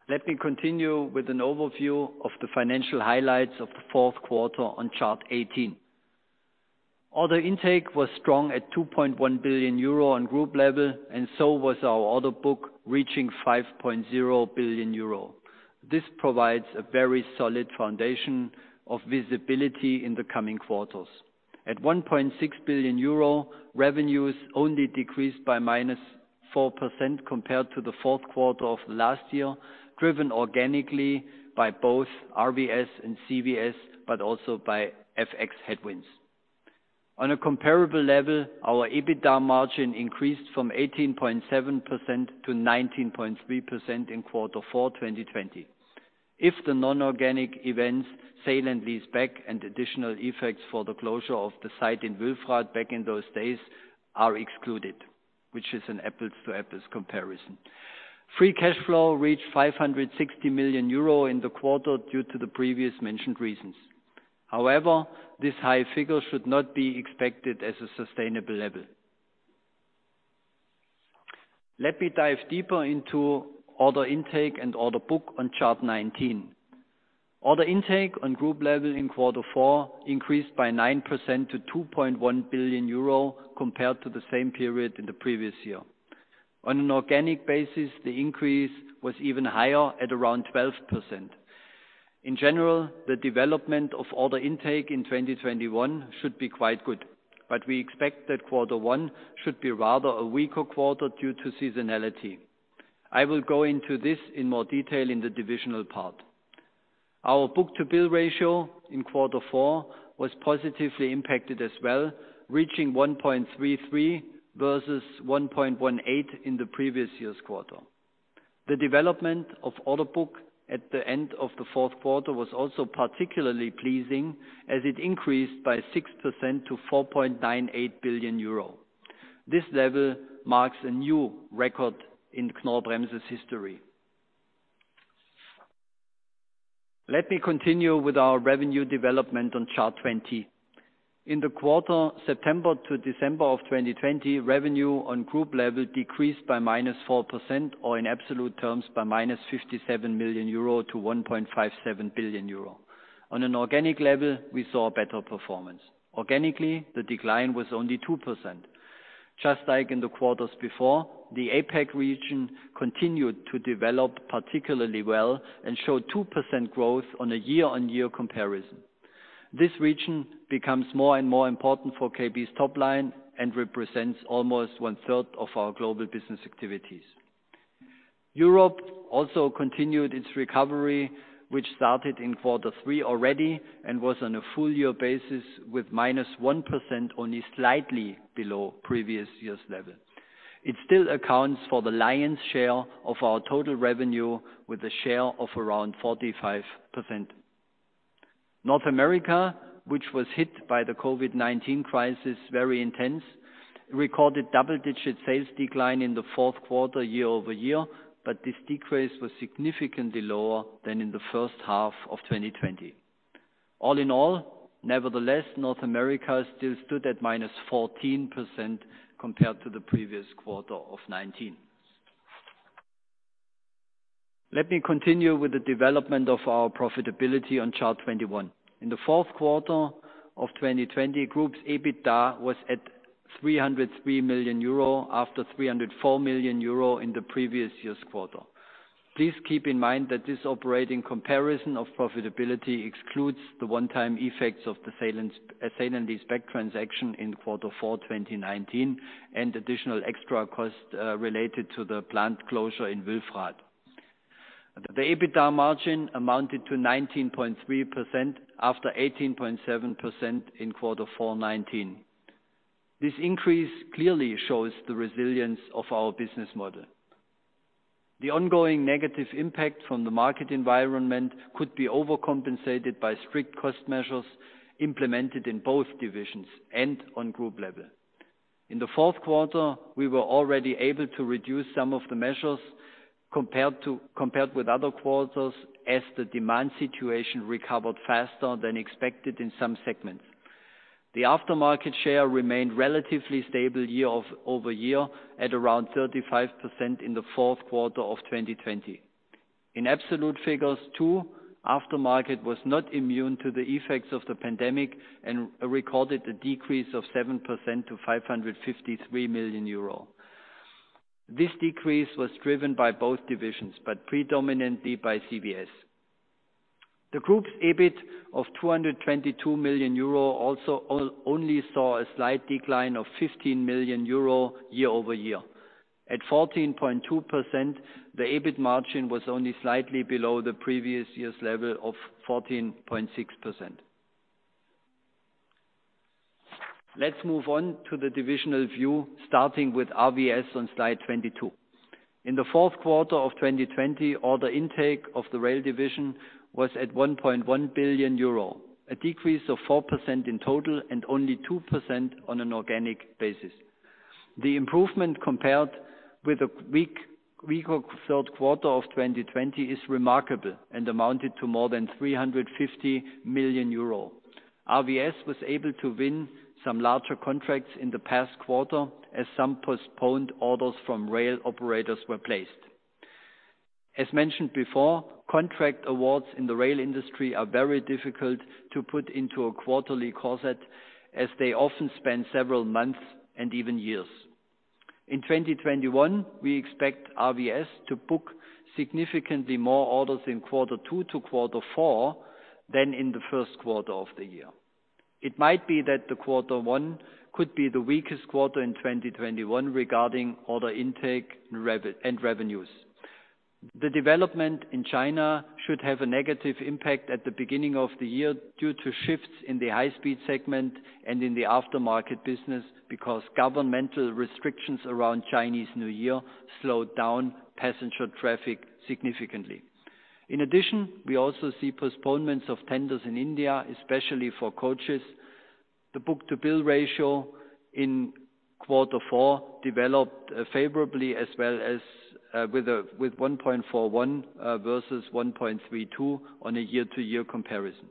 Let me continue with an overview of the financial highlights of the fourth quarter on chart 18. Order intake was strong at 2.1 billion euro on group level, and so was our order book reaching 5.0 billion euro. This provides a very solid foundation of visibility in the coming quarters. At 1.6 billion euro, revenues only decreased by -4% compared to the fourth quarter of last year, driven organically by both RVS and CVS, but also by FX headwinds. On a comparable level, our EBITDA margin increased from 18.7% to 19.3% in quarter four 2020. If the non-organic events sale and lease back and additional effects for the closure of the site in Wülfrath back in those days are excluded, which is an apples-to-apples comparison. Free cash flow reached 560 million euro in the quarter due to the previous mentioned reasons. However, this high figure should not be expected as a sustainable level. Let me dive deeper into order intake and order book on Chart 19. Order intake on group level in quarter four increased by 9% to 2.1 billion euro compared to the same period in the previous year. On an organic basis, the increase was even higher at around 12%. In general, the development of order intake in 2021 should be quite good. We expect that quarter one should be rather a weaker quarter due to seasonality. I will go into this in more detail in the divisional part. Our book-to-bill ratio in quarter four was positively impacted as well, reaching 1.33 versus 1.18 in the previous year's quarter. The development of order book at the end of the fourth quarter was also particularly pleasing as it increased by 6% to 4.98 billion euro. This level marks a new record in Knorr-Bremse's history. Let me continue with our revenue development on Chart 20. In the quarter, September to December of 2020, revenue on group level decreased by -4% or in absolute terms by minus 57 million-1.57 billion euro. On an organic level, we saw a better performance. Organically, the decline was only 2%. Just like in the quarters before, the APAC region continued to develop particularly well and showed 2% growth on a year-on-year comparison. This region becomes more and more important for Knorr-Bremse's top line and represents almost 1/3 of our global business activities. Europe also continued its recovery, which started in quarter three already and was on a full year basis with -1% only slightly below previous year's level. It still accounts for the lion's share of our total revenue with a share of around 45%. North America, which was hit by the COVID-19 crisis very intense, recorded double-digit sales decline in the fourth quarter year-over-year, but this decrease was significantly lower than in the first half of 2020. All in all, nevertheless, North America still stood at -14% compared to the previous quarter of 2019. Let me continue with the development of our profitability on Chart 21. In the fourth quarter of 2020, Group's EBITDA was at 303 million euro after 304 million euro in the previous year's quarter. Please keep in mind that this operating comparison of profitability excludes the one-time effects of the sale and lease back transaction in quarter four 2019 and additional extra cost related to the plant closure in Wülfrath. The EBITDA margin amounted to 19.3% after 18.7% in quarter four 2019. This increase clearly shows the resilience of our business model. The ongoing negative impact from the market environment could be overcompensated by strict cost measures implemented in both divisions and on group level. In the fourth quarter, we were already able to reduce some of the measures compared with other quarters as the demand situation recovered faster than expected in some segments. The aftermarket share remained relatively stable year-over-year at around 35% in the fourth quarter of 2020. In absolute figures, too, aftermarket was not immune to the effects of the pandemic and recorded a decrease of 7% to 553 million euro. This decrease was driven by both divisions, but predominantly by CVS. The group's EBIT of 222 million euro also only saw a slight decline of 15 million euro year-over-year. At 14.2%, the EBIT margin was only slightly below the previous year's level of 14.6%. Let's move on to the divisional view, starting with RVS on Slide 22. In the fourth quarter of 2020, order intake of the rail division was at 1.1 billion euro, a decrease of 4% in total and only 2% on an organic basis. The improvement compared with the weaker third quarter of 2020 is remarkable and amounted to more than 350 million euro. RVS was able to win some larger contracts in the past quarter as some postponed orders from rail operators were placed. As mentioned before, contract awards in the rail industry are very difficult to put into a quarterly corset, as they often span several months and even years. In 2021, we expect RVS to book significantly more orders in quarter two to quarter four than in the first quarter of the year. It might be that the quarter one could be the weakest quarter in 2021 regarding order intake and revenues. The development in China should have a negative impact at the beginning of the year due to shifts in the high-speed segment and in the aftermarket business because governmental restrictions around Chinese New Year slowed down passenger traffic significantly. In addition, we also see postponements of tenders in India, especially for coaches. The book-to-bill ratio in quarter four developed favorably as well, with 1.41 versus 1.32 on a year-to-year comparison.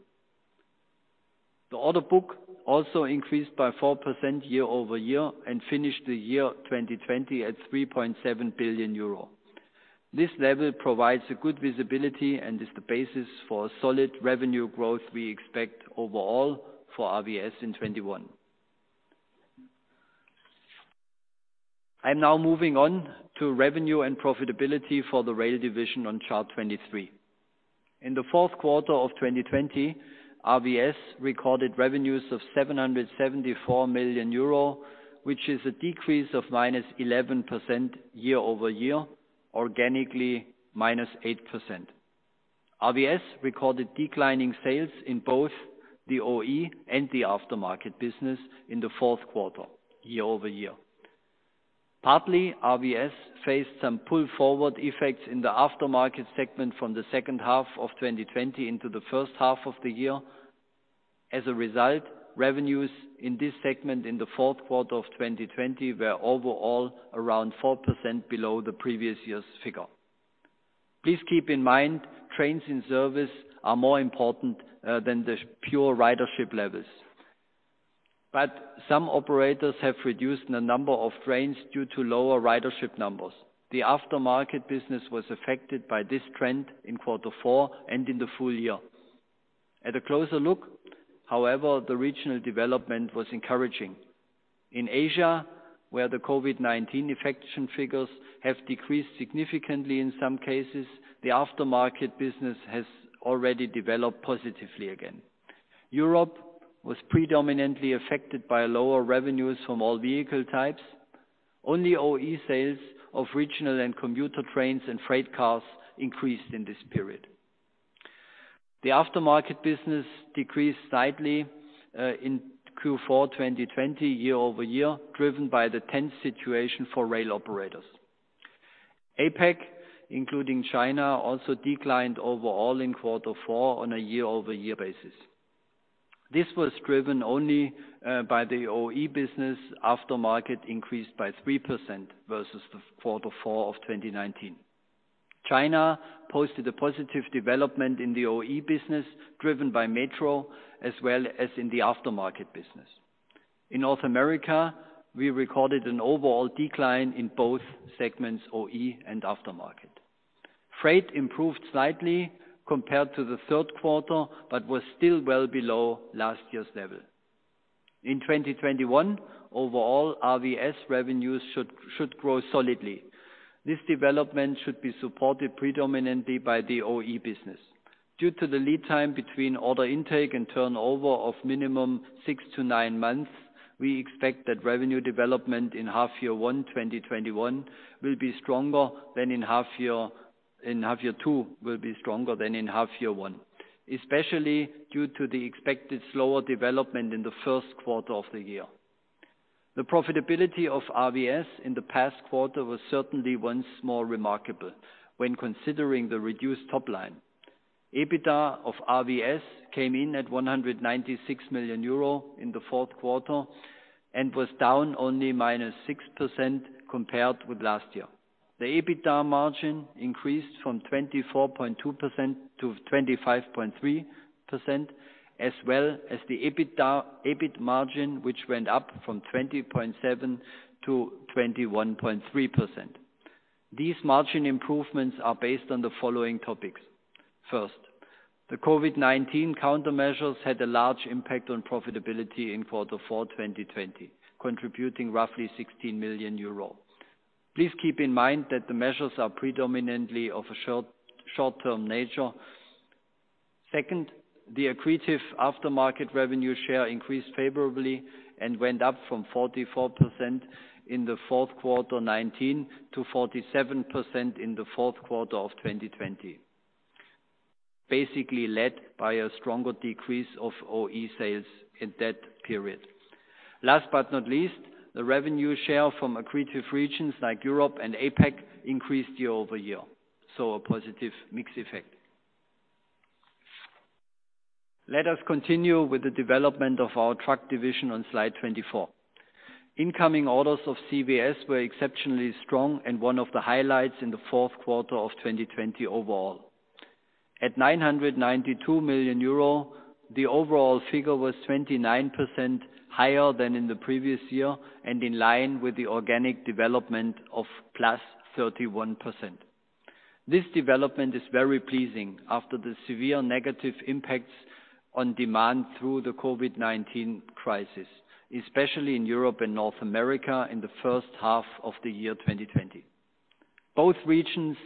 The order book also increased by 4% year-over-year and finished the year 2020 at 3.7 billion euro. This level provides a good visibility and is the basis for solid revenue growth we expect overall for RVS in 2021. I'm now moving on to revenue and profitability for the rail division on Chart 23. In the fourth quarter of 2020, RVS recorded revenues of 774 million euro, which is a decrease of minus 11% year-over-year, organically minus 8%. RVS recorded declining sales in both the OE and the aftermarket business in the fourth quarter year-over-year. Partly, RVS faced some pull-forward effects in the aftermarket segment from the second half of 2020 into the first half of the year. As a result, revenues in this segment in the fourth quarter of 2020 were overall around 4% below the previous year's figure. Please keep in mind, trains in service are more important than the pure ridership levels. Some operators have reduced the number of trains due to lower ridership numbers. The aftermarket business was affected by this trend in quarter four and in the full year. At a closer look, however, the regional development was encouraging. In Asia, where the COVID-19 infection figures have decreased significantly in some cases, the aftermarket business has already developed positively again. Europe was predominantly affected by lower revenues from all vehicle types. Only OE sales of regional and commuter trains and freight cars increased in this period. The aftermarket business decreased slightly in Q4 2020 year-over-year, driven by the tense situation for rail operators. APAC, including China, also declined overall in quarter four on a year-over-year basis. This was driven only by the OE business. Aftermarket increased by 3% versus the quarter four of 2019. China posted a positive development in the OE business, driven by metro as well as in the aftermarket business. In North America, we recorded an overall decline in both segments, OE and aftermarket. Freight improved slightly compared to the third quarter, but was still well below last year's level. In 2021, overall RVS revenues should grow solidly. This development should be supported predominantly by the OE business. Due to the lead time between order intake and turnover of minimum six to nine months, we expect that revenue development in half year two 2021 will be stronger than in half year one, especially due to the expected slower development in the first quarter of the year. The profitability of RVS in the past quarter was certainly once more remarkable when considering the reduced top line. EBITDA of RVS came in at 196 million euro in the fourth quarter and was down only minus 6% compared with last year. The EBITDA margin increased from 24.2% to 25.3%, as well as the EBIT margin, which went up from 20.7% to 21.3%. These margin improvements are based on the following topics. First, the COVID-19 countermeasures had a large impact on profitability in quarter four 2020, contributing roughly 16 million euros. Please keep in mind that the measures are predominantly of a short-term nature. Second, the accretive aftermarket revenue share increased favorably and went up from 44% in the fourth quarter 2019 to 47% in the fourth quarter of 2020, basically led by a stronger decrease of OE sales in that period. Last but not least, the revenue share from accretive regions like Europe and APAC increased year-over-year. A positive mix effect. Let us continue with the development of our truck division on Slide 24. Incoming orders of CVS were exceptionally strong and one of the highlights in the fourth quarter of 2020 overall. At 992 million euro, the overall figure was 29% higher than in the previous year and in line with the organic development of plus 31%. This development is very pleasing after the severe negative impacts on demand through the COVID-19 crisis, especially in Europe and North America in the first half of 2020. Both regions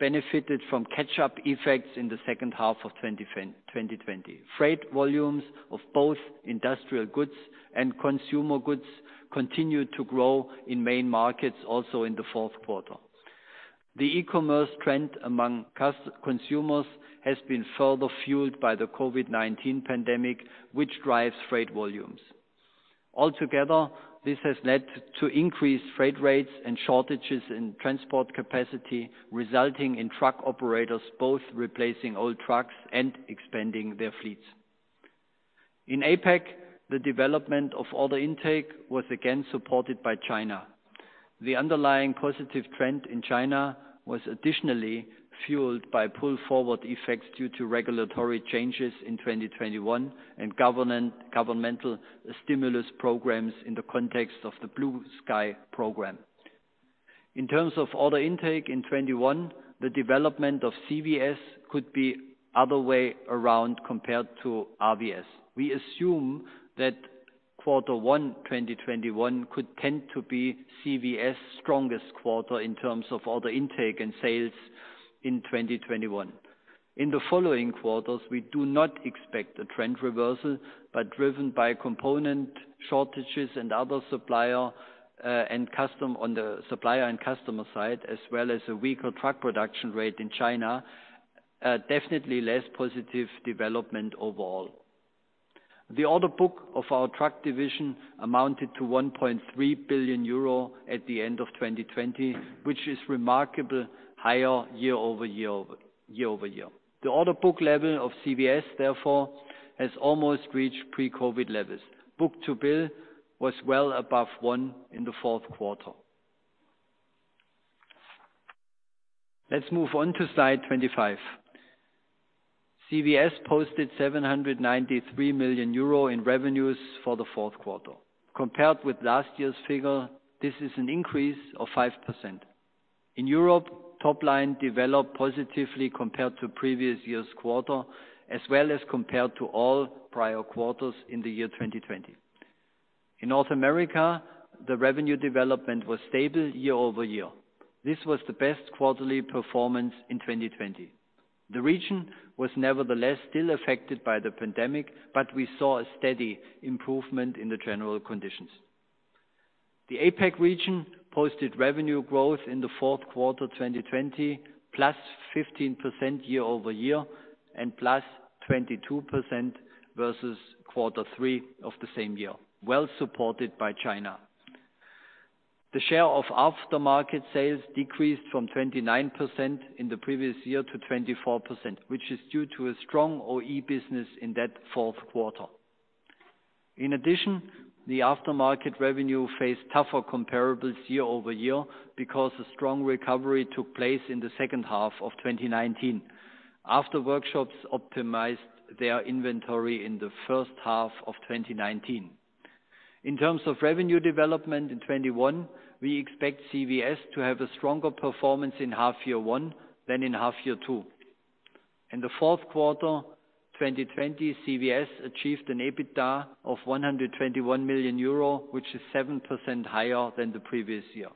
benefited from catch-up effects in the second half of 2020. Freight volumes of both industrial goods and consumer goods continued to grow in main markets, also in the fourth quarter. The e-commerce trend among consumers has been further fueled by the COVID-19 pandemic, which drives freight volumes. Altogether, this has led to increased freight rates and shortages in transport capacity, resulting in truck operators both replacing old trucks and expanding their fleets. In APAC, the development of order intake was again supported by China. The underlying positive trend in China was additionally fueled by pull-forward effects due to regulatory changes in 2021 and governmental stimulus programs in the context of the Blue Sky program. In terms of order intake in 2021, the development of CVS could be other way around compared to RVS. We assume that quarter 1 2021 could tend to be CVS' strongest quarter in terms of order intake and sales in 2021. In the following quarters, we do not expect a trend reversal, but driven by component shortages and on the supplier and customer side, as well as a weaker truck production rate in China, definitely less positive development overall. The order book of our truck division amounted to 1.3 billion euro at the end of 2020, which is remarkably higher year-over-year. The order book level of CVS, therefore, has almost reached pre-COVID levels. Book-to-bill was well above one in the fourth quarter. Let's move on to slide 25. CVS posted 793 million euro in revenues for the fourth quarter. Compared with last year's figure, this is an increase of 5%. In Europe, top line developed positively compared to previous year's quarter, as well as compared to all prior quarters in the year 2020. In North America, the revenue development was stable year-over-year. This was the best quarterly performance in 2020. The region was nevertheless still affected by the pandemic, but we saw a steady improvement in the general conditions. The APAC region posted revenue growth in the fourth quarter 2020, +15% year-over-year and +22% versus Q3 of the same year, well supported by China. The share of aftermarket sales decreased from 29% in the previous year to 24%, which is due to a strong OE business in that fourth quarter. The aftermarket revenue faced tougher comparables year-over-year because a strong recovery took place in the second half of 2019, after workshops optimized their inventory in the first half of 2019. In terms of revenue development in 2021, we expect CVS to have a stronger performance in half year one than in half year two. In the fourth quarter 2020, CVS achieved an EBITDA of 121 million euro, which is 7% higher than the previous year.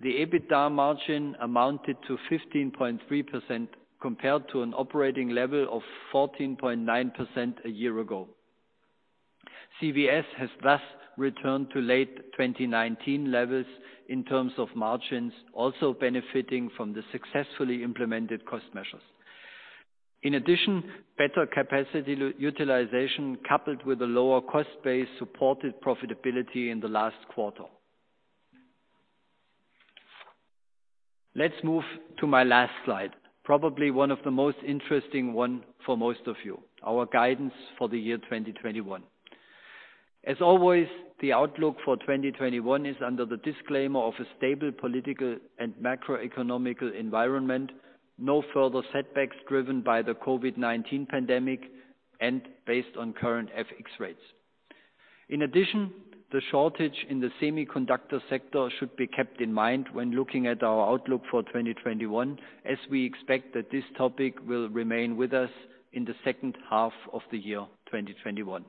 The EBITDA margin amounted to 15.3% compared to an operating level of 14.9% a year ago. CVS has thus returned to late 2019 levels in terms of margins, also benefiting from the successfully implemented cost measures. Better capacity utilization coupled with a lower cost base, supported profitability in the last quarter. Let's move to my last slide, probably one of the most interesting one for most of you, our guidance for the year 2021. As always, the outlook for 2021 is under the disclaimer of a stable political and macroeconomic environment, no further setbacks driven by the COVID-19 pandemic, and based on current FX rates. The shortage in the semiconductor sector should be kept in mind when looking at our outlook for 2021, as we expect that this topic will remain with us in the second half of the year 2021.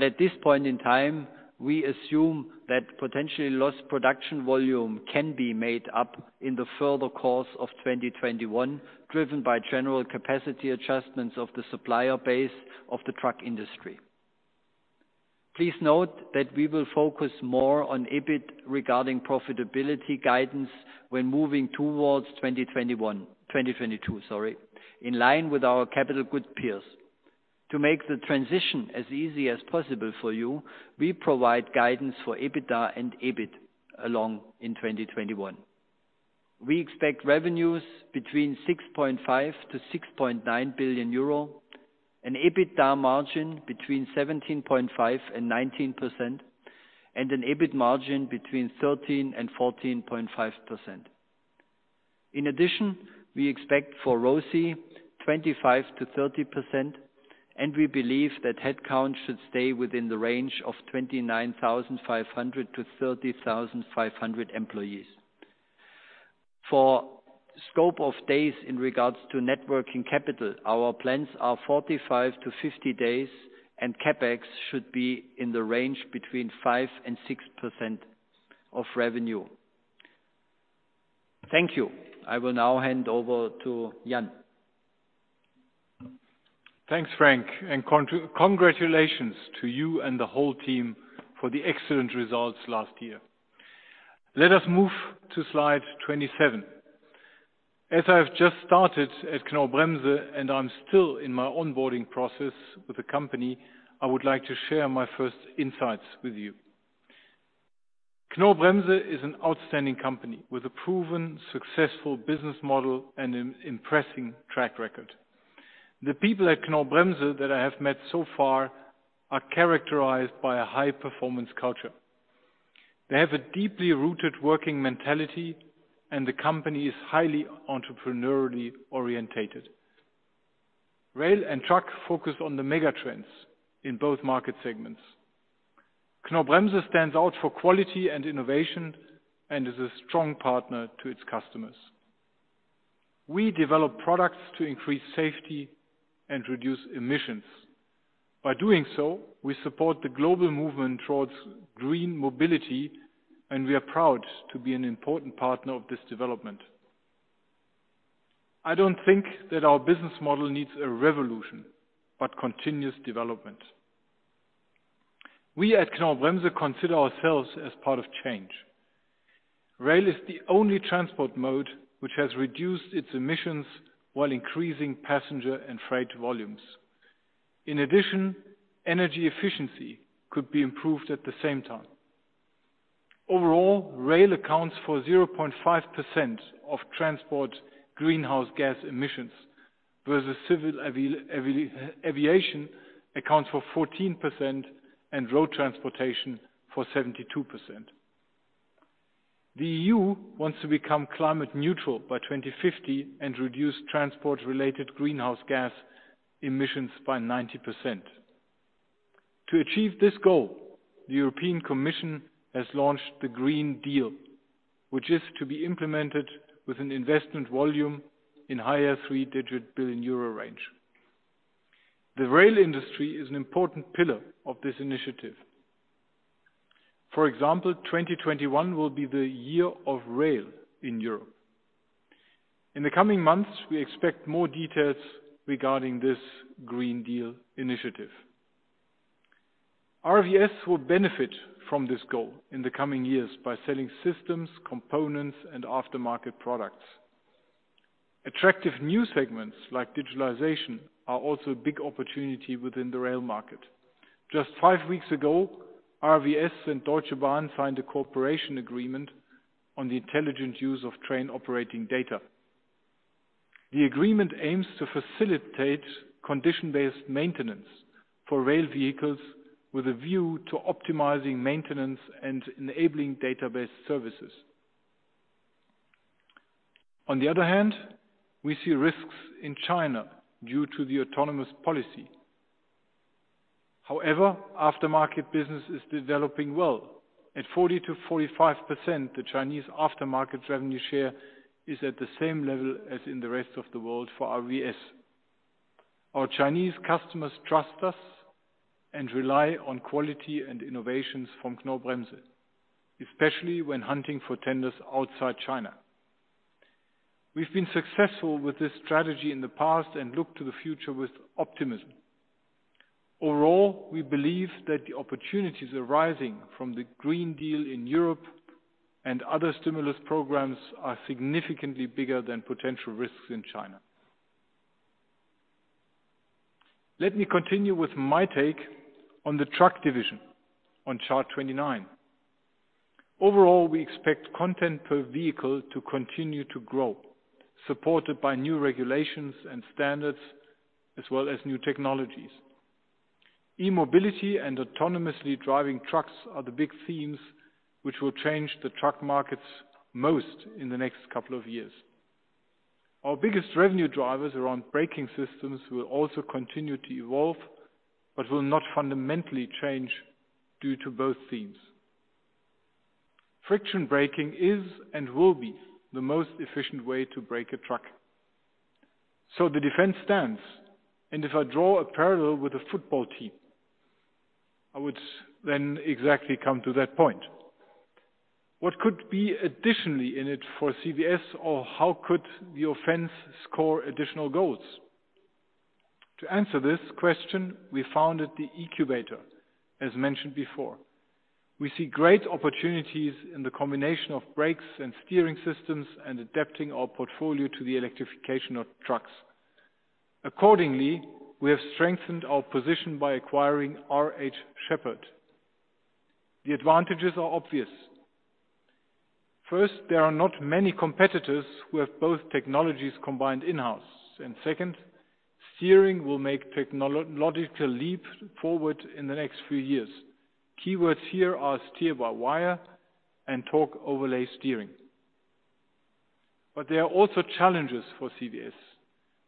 At this point in time, we assume that potentially lost production volume can be made up in the further course of 2021, driven by general capacity adjustments of the supplier base of the truck industry. Please note that we will focus more on EBIT regarding profitability guidance when moving towards 2022, in line with our capital goods peers. To make the transition as easy as possible for you, we provide guidance for EBITDA and EBIT along in 2021. We expect revenues between 6.5 billion-6.9 billion euro, an EBITDA margin between 17.5%-19%. And an EBIT margin between 13%-14.5%. In addition, we expect for ROCE 25%-30%, and we believe that headcount should stay within the range of 29,500-30,500 employees. For scope of days in regards to net working capital, our plans are 45-50 days, and CapEx should be in the range between 5% and 6% of revenue. Thank you. I will now hand over to Jan. Thanks, Frank. Congratulations to you and the whole team for the excellent results last year. Let us move to slide 27. As I've just started at Knorr-Bremse and I'm still in my onboarding process with the company, I would like to share my first insights with you. Knorr-Bremse is an outstanding company with a proven successful business model and an impressive track record. The people at Knorr-Bremse that I have met so far are characterized by a high performance culture. They have a deeply rooted working mentality, and the company is highly entrepreneurially oriented. Rail and truck focus on the mega trends in both market segments. Knorr-Bremse stands out for quality and innovation and is a strong partner to its customers. We develop products to increase safety and reduce emissions. By doing so, we support the global movement towards green mobility, and we are proud to be an important partner of this development. I don't think that our business model needs a revolution, but continuous development. We at Knorr-Bremse consider ourselves as part of change. Rail is the only transport mode which has reduced its emissions while increasing passenger and freight volumes. Energy efficiency could be improved at the same time. Overall, rail accounts for 0.5% of transport greenhouse gas emissions, versus civil aviation accounts for 14% and road transportation for 72%. The EU wants to become climate neutral by 2050 and reduce transport-related greenhouse gas emissions by 90%. To achieve this goal, the European Commission has launched the Green Deal, which is to be implemented with an investment volume in higher three-digit billion euro range. The rail industry is an important pillar of this initiative. For example, 2021 will be the year of rail in Europe. In the coming months, we expect more details regarding this Green Deal initiative. RVS will benefit from this goal in the coming years by selling systems, components, and aftermarket products. Attractive new segments like digitalization are also a big opportunity within the rail market. Just five weeks ago, RVS and Deutsche Bahn signed a cooperation agreement on the intelligent use of train operating data. The agreement aims to facilitate condition-based maintenance for rail vehicles with a view to optimizing maintenance and enabling database services. On the other hand, we see risks in China due to the autonomous policy. However, aftermarket business is developing well. At 40%-45%, the Chinese aftermarket revenue share is at the same level as in the rest of the world for RVS. Our Chinese customers trust us and rely on quality and innovations from Knorr-Bremse, especially when hunting for tenders outside China. We've been successful with this strategy in the past and look to the future with optimism. Overall, we believe that the opportunities arising from the Green Deal in Europe and other stimulus programs are significantly bigger than potential risks in China. Let me continue with my take on the truck division on chart 29. Overall, we expect content per vehicle to continue to grow, supported by new regulations and standards, as well as new technologies. E-mobility and autonomously driving trucks are the big themes which will change the truck markets most in the next couple of years. Our biggest revenue drivers around braking systems will also continue to evolve, but will not fundamentally change due to both themes. Friction braking is and will be the most efficient way to brake a truck. The defense stands, and if I draw a parallel with a football team, I would then exactly come to that point. What could be additionally in it for CVS or how could the offense score additional goals? To answer this question, we founded the eCUBATOR, as mentioned before. We see great opportunities in the combination of brakes and steering systems and adapting our portfolio to the electrification of trucks. Accordingly, we have strengthened our position by acquiring R.H. Sheppard. The advantages are obvious. First, there are not many competitors who have both technologies combined in-house. Second, steering will make technological leap forward in the next few years. Keywords here are steer-by-wire and torque overlay steering. There are also challenges for CVS.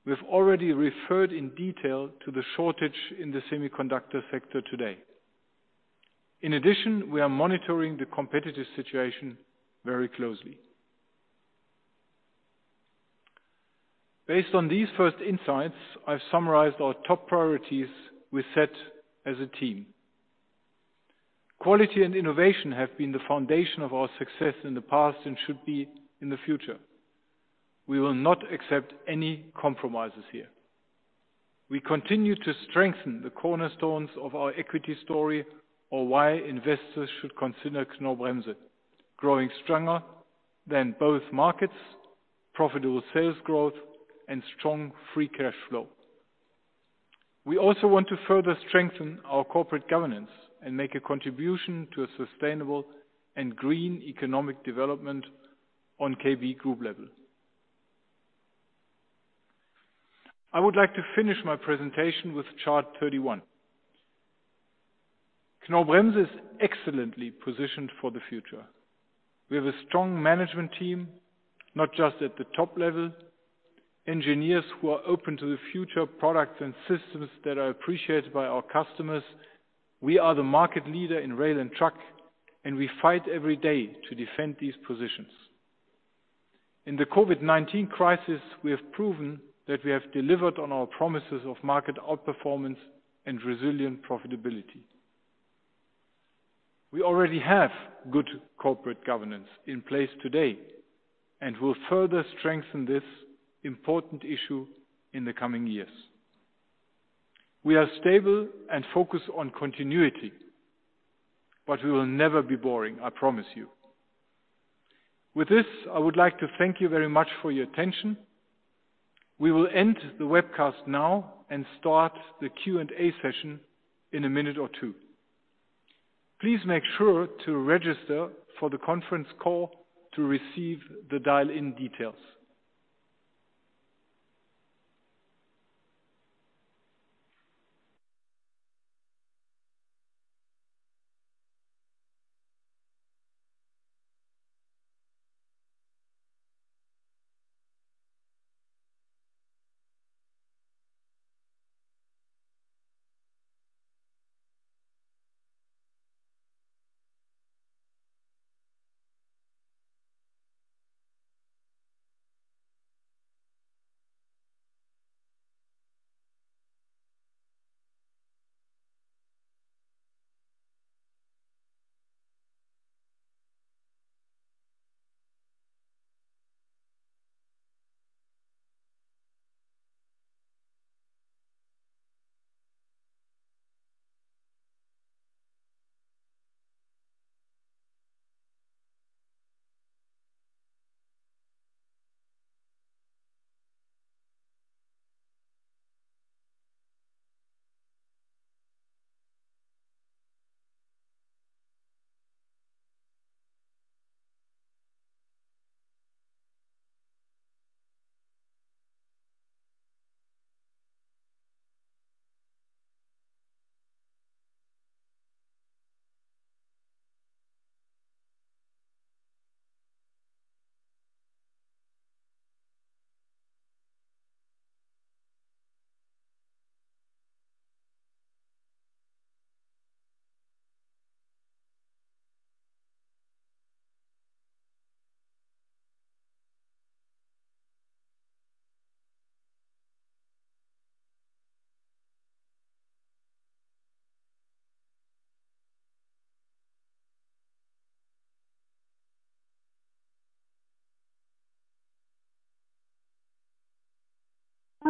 We have already referred in detail to the shortage in the semiconductor sector today. In addition, we are monitoring the competitive situation very closely. Based on these first insights, I've summarized our top priorities we set as a team. Quality and innovation have been the foundation of our success in the past and should be in the future. We will not accept any compromises here. We continue to strengthen the cornerstones of our equity story or why investors should consider Knorr-Bremse growing stronger than both markets, profitable sales growth, and strong free cash flow. We also want to further strengthen our corporate governance and make a contribution to a sustainable and green economic development on Knorr-Bremse group level. I would like to finish my presentation with chart 31. Knorr-Bremse is excellently positioned for the future. We have a strong management team, not just at the top level, engineers who are open to the future products and systems that are appreciated by our customers. We are the market leader in rail and truck, and we fight every day to defend these positions. In the COVID-19 crisis, we have proven that we have delivered on our promises of market outperformance and resilient profitability. We already have good corporate governance in place today and will further strengthen this important issue in the coming years. We are stable and focused on continuity, but we will never be boring, I promise you. With this, I would like to thank you very much for your attention. We will end the webcast now and start the Q&A session in a minute or two. Please make sure to register for the conference call to receive the dial-in details.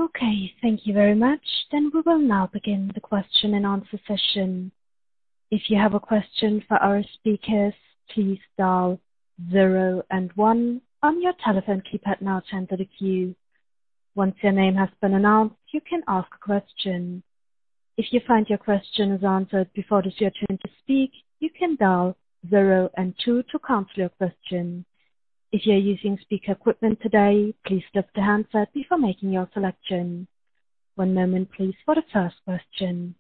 Okay, thank you very much. We will now begin the question and answer session. If you have a question for our speakers, please dial zero and one on your telephone keypad now to enter the queue. Once your name has been announced, you can ask a question. If you find your question is answered before it is your turn to speak, you can dial zero and two to cancel your question. If you're using speaker equipment today, please lift the handset before making your selection. One moment, please, for the first question.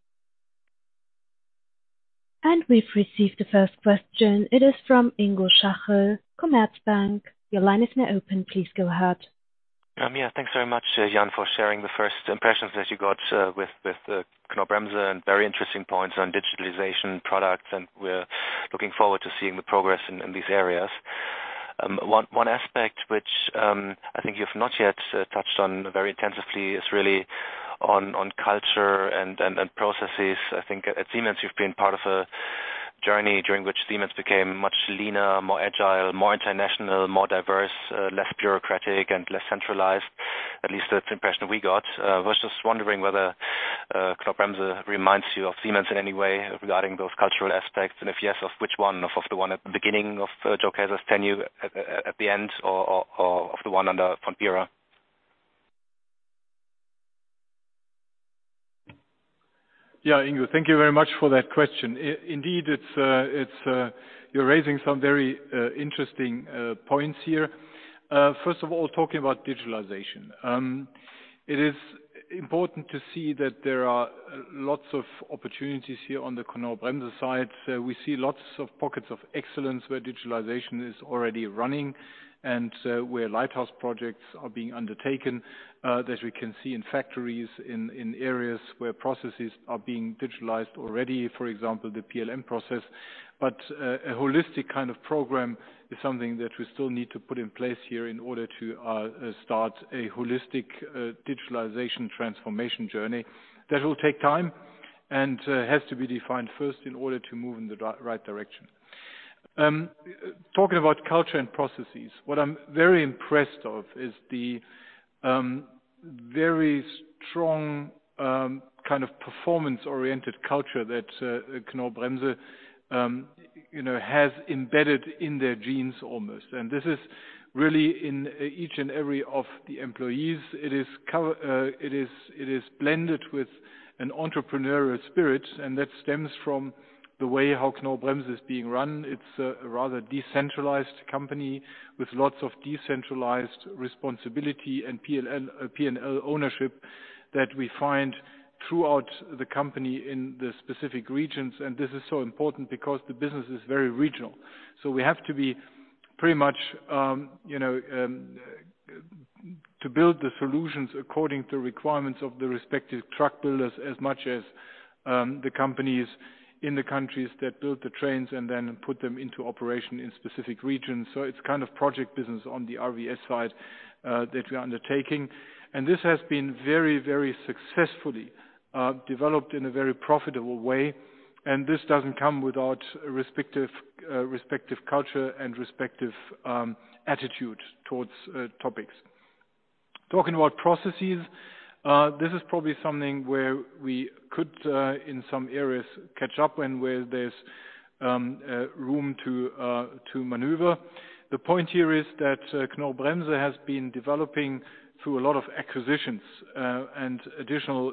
We've received the first question. It is from Ingo Schachel, Commerzbank. Your line is now open. Please go ahead. Yeah, thanks very much, Jan, for sharing the first impressions that you got with Knorr-Bremse and very interesting points on digitalization products, and we're looking forward to seeing the progress in these areas. One aspect which I think you've not yet touched on very intensively is really on culture and processes. I think at Siemens, you've been part of a journey during which Siemens became much leaner, more agile, more international, more diverse, less bureaucratic, and less centralized. At least that's the impression we got. I was just wondering whether Knorr-Bremse reminds you of Siemens in any way regarding those cultural aspects, and if yes, of which one? Of the one at the beginning of Joe Kaeser's tenure, at the end, or of the one under von Pierer? Yeah, Ingo, thank you very much for that question. Indeed, you're raising some very interesting points here. First of all, talking about digitalization. It is important to see that there are lots of opportunities here on the Knorr-Bremse side. We see lots of pockets of excellence where digitalization is already running and where lighthouse projects are being undertaken, that we can see in factories, in areas where processes are being digitalized already, for example, the PLM process. A holistic kind of program is something that we still need to put in place here in order to start a holistic digitalization transformation journey that will take time and has to be defined first in order to move in the right direction. Talking about culture and processes, what I'm very impressed of is the very strong kind of performance-oriented culture that Knorr-Bremse has embedded in their genes almost. This is really in each and every of the employees. It is blended with an entrepreneurial spirit, and that stems from the way how Knorr-Bremse is being run. It's a rather decentralized company with lots of decentralized responsibility and P&L ownership that we find throughout the company in the specific regions, and this is so important because the business is very regional. We have to build the solutions according to requirements of the respective truck builders as much as the companies in the countries that build the trains and then put them into operation in specific regions. It's kind of project business on the RVS side that we are undertaking. This has been very, very successfully developed in a very profitable way, and this doesn't come without respective culture and respective attitude towards topics. Talking about processes, this is probably something where we could, in some areas, catch up and where there's room to maneuver. The point here is that Knorr-Bremse has been developing through a lot of acquisitions, and additional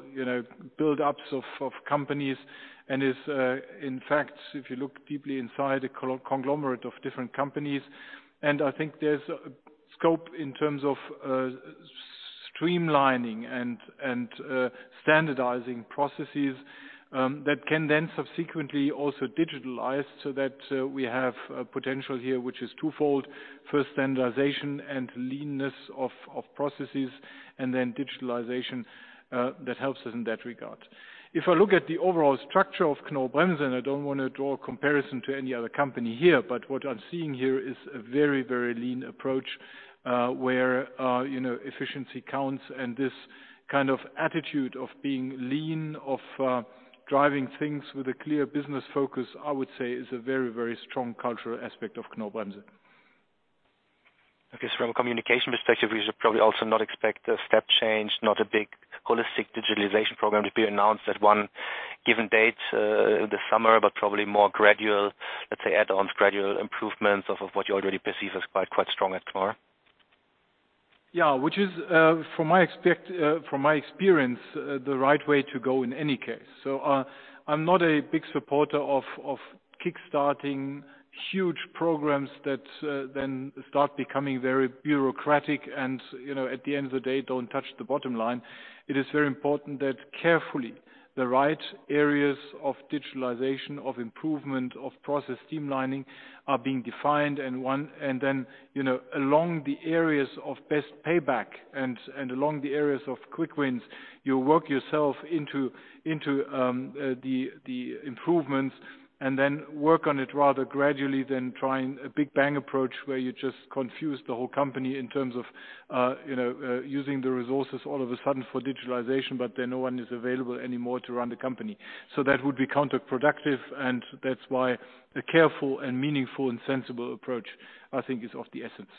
buildups of companies, and is in fact, if you look deeply inside, a conglomerate of different companies. I think there's scope in terms of streamlining and standardizing processes that can then subsequently also digitalize so that we have a potential here, which is twofold. First, standardization and leanness of processes and then digitalization that helps us in that regard. If I look at the overall structure of Knorr-Bremse, and I don't want to draw a comparison to any other company here, but what I'm seeing here is a very, very lean approach, where efficiency counts and this kind of attitude of being lean, of driving things with a clear business focus, I would say, is a very, very strong cultural aspect of Knorr-Bremse. From a communication perspective, we should probably also not expect a step change, not a big holistic digitalization program to be announced at one given date in the summer, but probably more gradual, let's say, add-on gradual improvements of what you already perceive as quite strong at Knorr? Which is, from my experience, the right way to go in any case. I'm not a big supporter of kick-starting huge programs that then start becoming very bureaucratic and, at the end of the day, don't touch the bottom line. It is very important that carefully the right areas of digitalization, of improvement, of process streamlining are being defined and then along the areas of best payback and along the areas of quick wins, you work yourself into the improvements and then work on it rather gradually than trying a big bang approach where you just confuse the whole company in terms of using the resources all of a sudden for digitalization, but then no one is available anymore to run the company. That would be counterproductive, and that's why the careful and meaningful and sensible approach, I think is of the essence.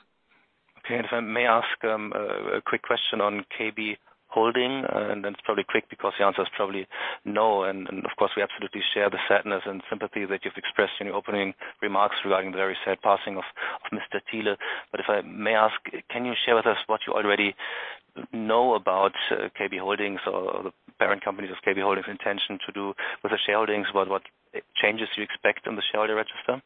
Okay. If I may ask a quick question on Knorr-Bremse Holding, and then it's probably quick because the answer is probably no, and of course, we absolutely share the sadness and sympathy that you've expressed in your opening remarks regarding the very sad passing of Mr. Thiele. If I may ask, can you share with us what you already know about Knorr-Bremse Holdings or the parent company of Knorr-Bremse Holding's intention to do with the shareholdings? What changes do you expect on the shareholder register?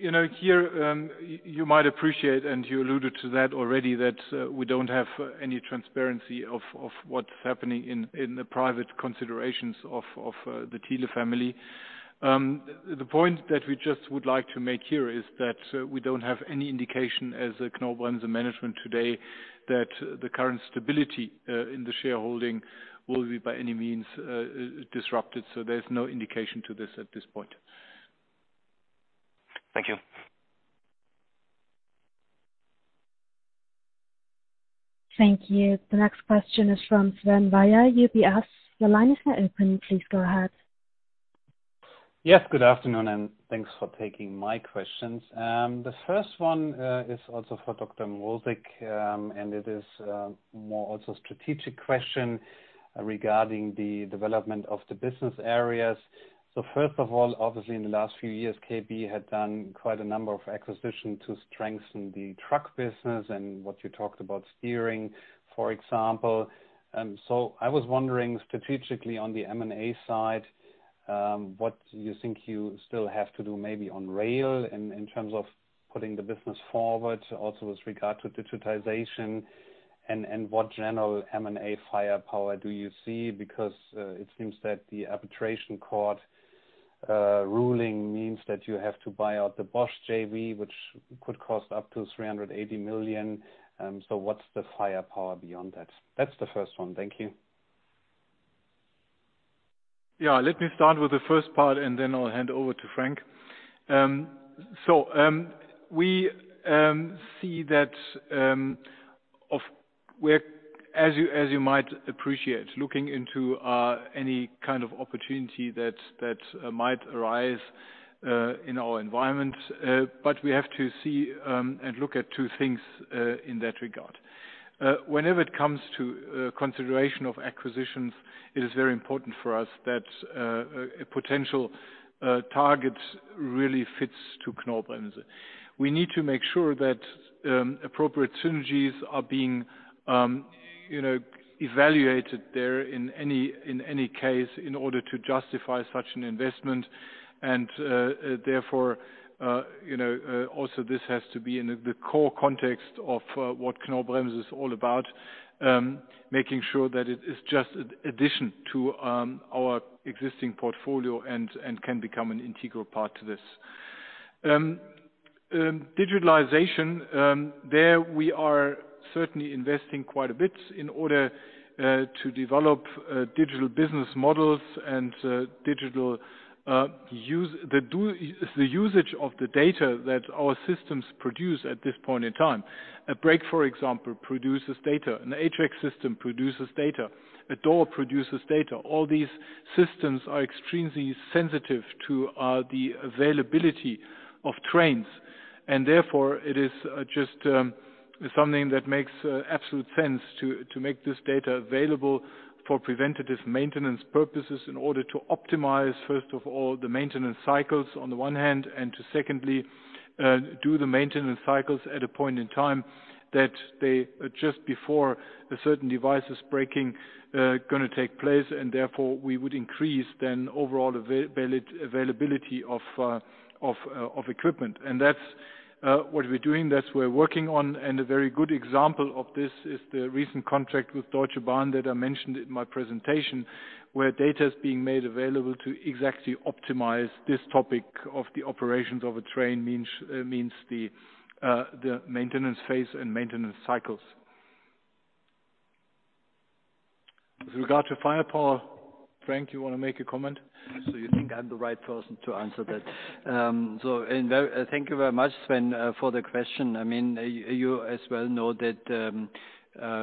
Here, you might appreciate, and you alluded to that already, that we don't have any transparency of what's happening in the private considerations of the Thiele family. The point that we just would like to make here is that we don't have any indication as a Knorr-Bremse management today that the current stability in the shareholding will be by any means disrupted. There's no indication to this at this point. Thank you. Thank you. The next question is from Sven Weier, UBS. Your line is now open. Please go ahead. Good afternoon, thanks for taking my questions. The first one is also for Dr. Mrosik, and it is more also a strategic question regarding the development of the business areas. First of all, obviously in the last few years, Knorr-Bremse had done quite a number of acquisitions to strengthen the truck business and what you talked about steering, for example. I was wondering strategically on the M&A side, what you think you still have to do maybe on rail in terms of putting the business forward, also with regard to digitization. What general M&A firepower do you see? Because it seems that the arbitration court ruling means that you have to buy out the Bosch JV, which could cost up to 380 million. What's the firepower beyond that? That's the first one. Thank you. Yeah. Let me start with the first part, then I'll hand over to Frank. We see that, as you might appreciate, looking into any kind of opportunity that might arise in our environment, we have to see and look at two things in that regard. Whenever it comes to consideration of acquisitions, it is very important for us that a potential target really fits to Knorr-Bremse. We need to make sure that appropriate synergies are being evaluated there in any case in order to justify such an investment. Therefore, also this has to be in the core context of what Knorr-Bremse is all about, making sure that it is just an addition to our existing portfolio and can become an integral part to this. Digitalization, there we are certainly investing quite a bit in order to develop digital business models and the usage of the data that our systems produce at this point in time. A brake, for example, produces data. An [ATREX] system produces data. A door produces data. All these systems are extremely sensitive to the availability of trains. Therefore, it is just something that makes absolute sense to make this data available for preventative maintenance purposes in order to optimize, first of all, the maintenance cycles on the one hand, and to secondly, do the maintenance cycles at a point in time that just before a certain device is breaking, going to take place, and therefore we would increase then overall availability of equipment. That's what we're doing, that's we're working on. A very good example of this is the recent contract with Deutsche Bahn that I mentioned in my presentation, where data is being made available to exactly optimize this topic of the operations of a train, means the maintenance phase and maintenance cycles. With regard to firepower, Frank, you want to make a comment? You think I'm the right person to answer that? Thank you very much, Sven, for the question. You as well know that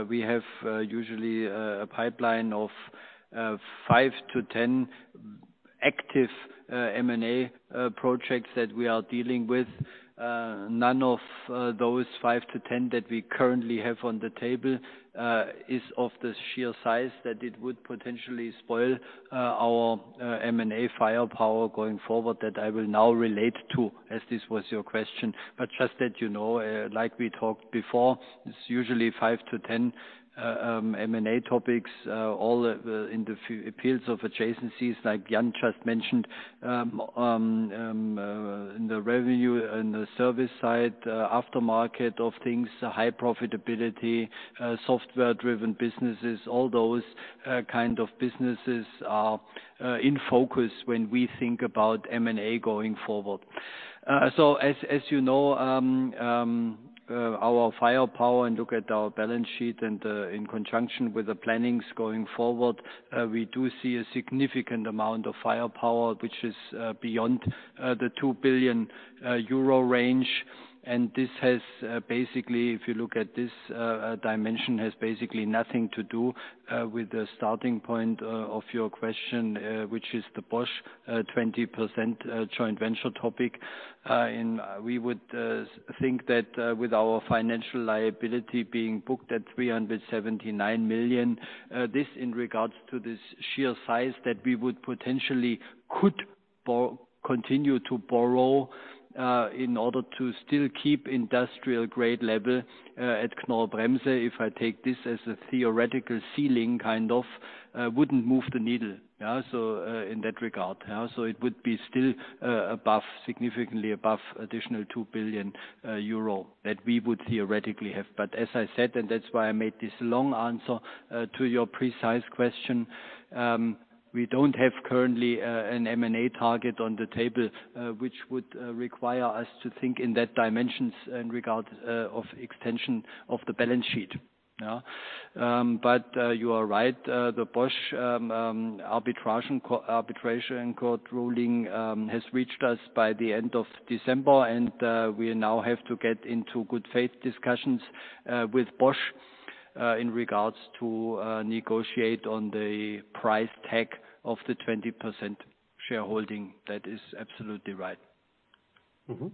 we have usually a pipeline of 5 to 10 active M&A projects that we are dealing with. None of those 5 to 10 that we currently have on the table is of the sheer size that it would potentially spoil our M&A firepower going forward that I will now relate to, as this was your question. Just that you know, like we talked before, it's usually 5 to 10 M&A topics, all in the fields of adjacencies like Jan just mentioned, in the revenue and the service side, aftermarket of things, high profitability, software-driven businesses, all those kind of businesses are in focus when we think about M&A going forward. As you know, our firepower and look at our balance sheet and in conjunction with the plannings going forward, we do see a significant amount of firepower, which is beyond the 2 billion euro range. This has basically, if you look at this dimension, has basically nothing to do with the starting point of your question, which is the Bosch 20% joint venture topic. We would think that with our financial liability being booked at 379 million, this in regards to the sheer size that we would potentially could continue to borrow in order to still keep industrial grade level at Knorr-Bremse, if I take this as a theoretical ceiling, kind of, wouldn't move the needle in that regard. It would be still significantly above additional 2 billion euro that we would theoretically have. As I said, and that's why I made this long answer to your precise question, we don't have currently an M&A target on the table, which would require us to think in that dimensions in regard of extension of the balance sheet. You are right, the Bosch arbitration court ruling has reached us by the end of December, and we now have to get into good faith discussions with Bosch in regards to negotiate on the price tag of the 20% shareholding. That is absolutely right. Mm-hmm.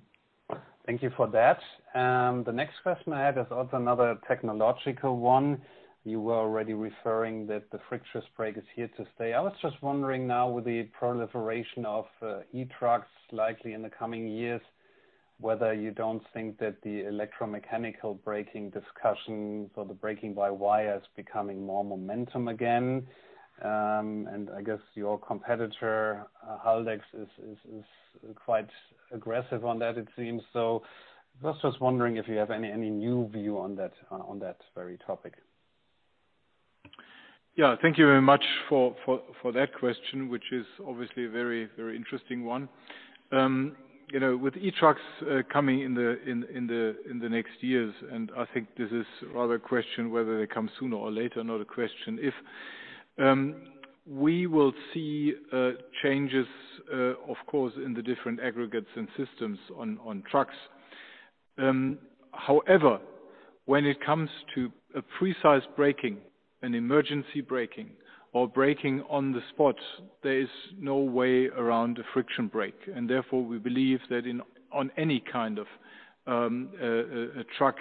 Thank you for that. The next question I have is also another technological one. You were already referring that the friction brake is here to stay. I was just wondering now with the proliferation of e-trucks likely in the coming years, whether you don't think that the electromechanical braking discussion, so the braking-by-wire is gaining more momentum again. I guess your competitor, Haldex, is quite aggressive on that, it seems. I was just wondering if you have any new view on that very topic. Yeah. Thank you very much for that question, which is obviously a very interesting one. With e-trucks coming in the next years, and I think this is rather a question whether they come sooner or later, not a question if. We will see changes, of course, in the different aggregates and systems on trucks. However, when it comes to a precise braking, an emergency braking or braking on the spot, there is no way around a friction brake, and therefore we believe that on any kind of truck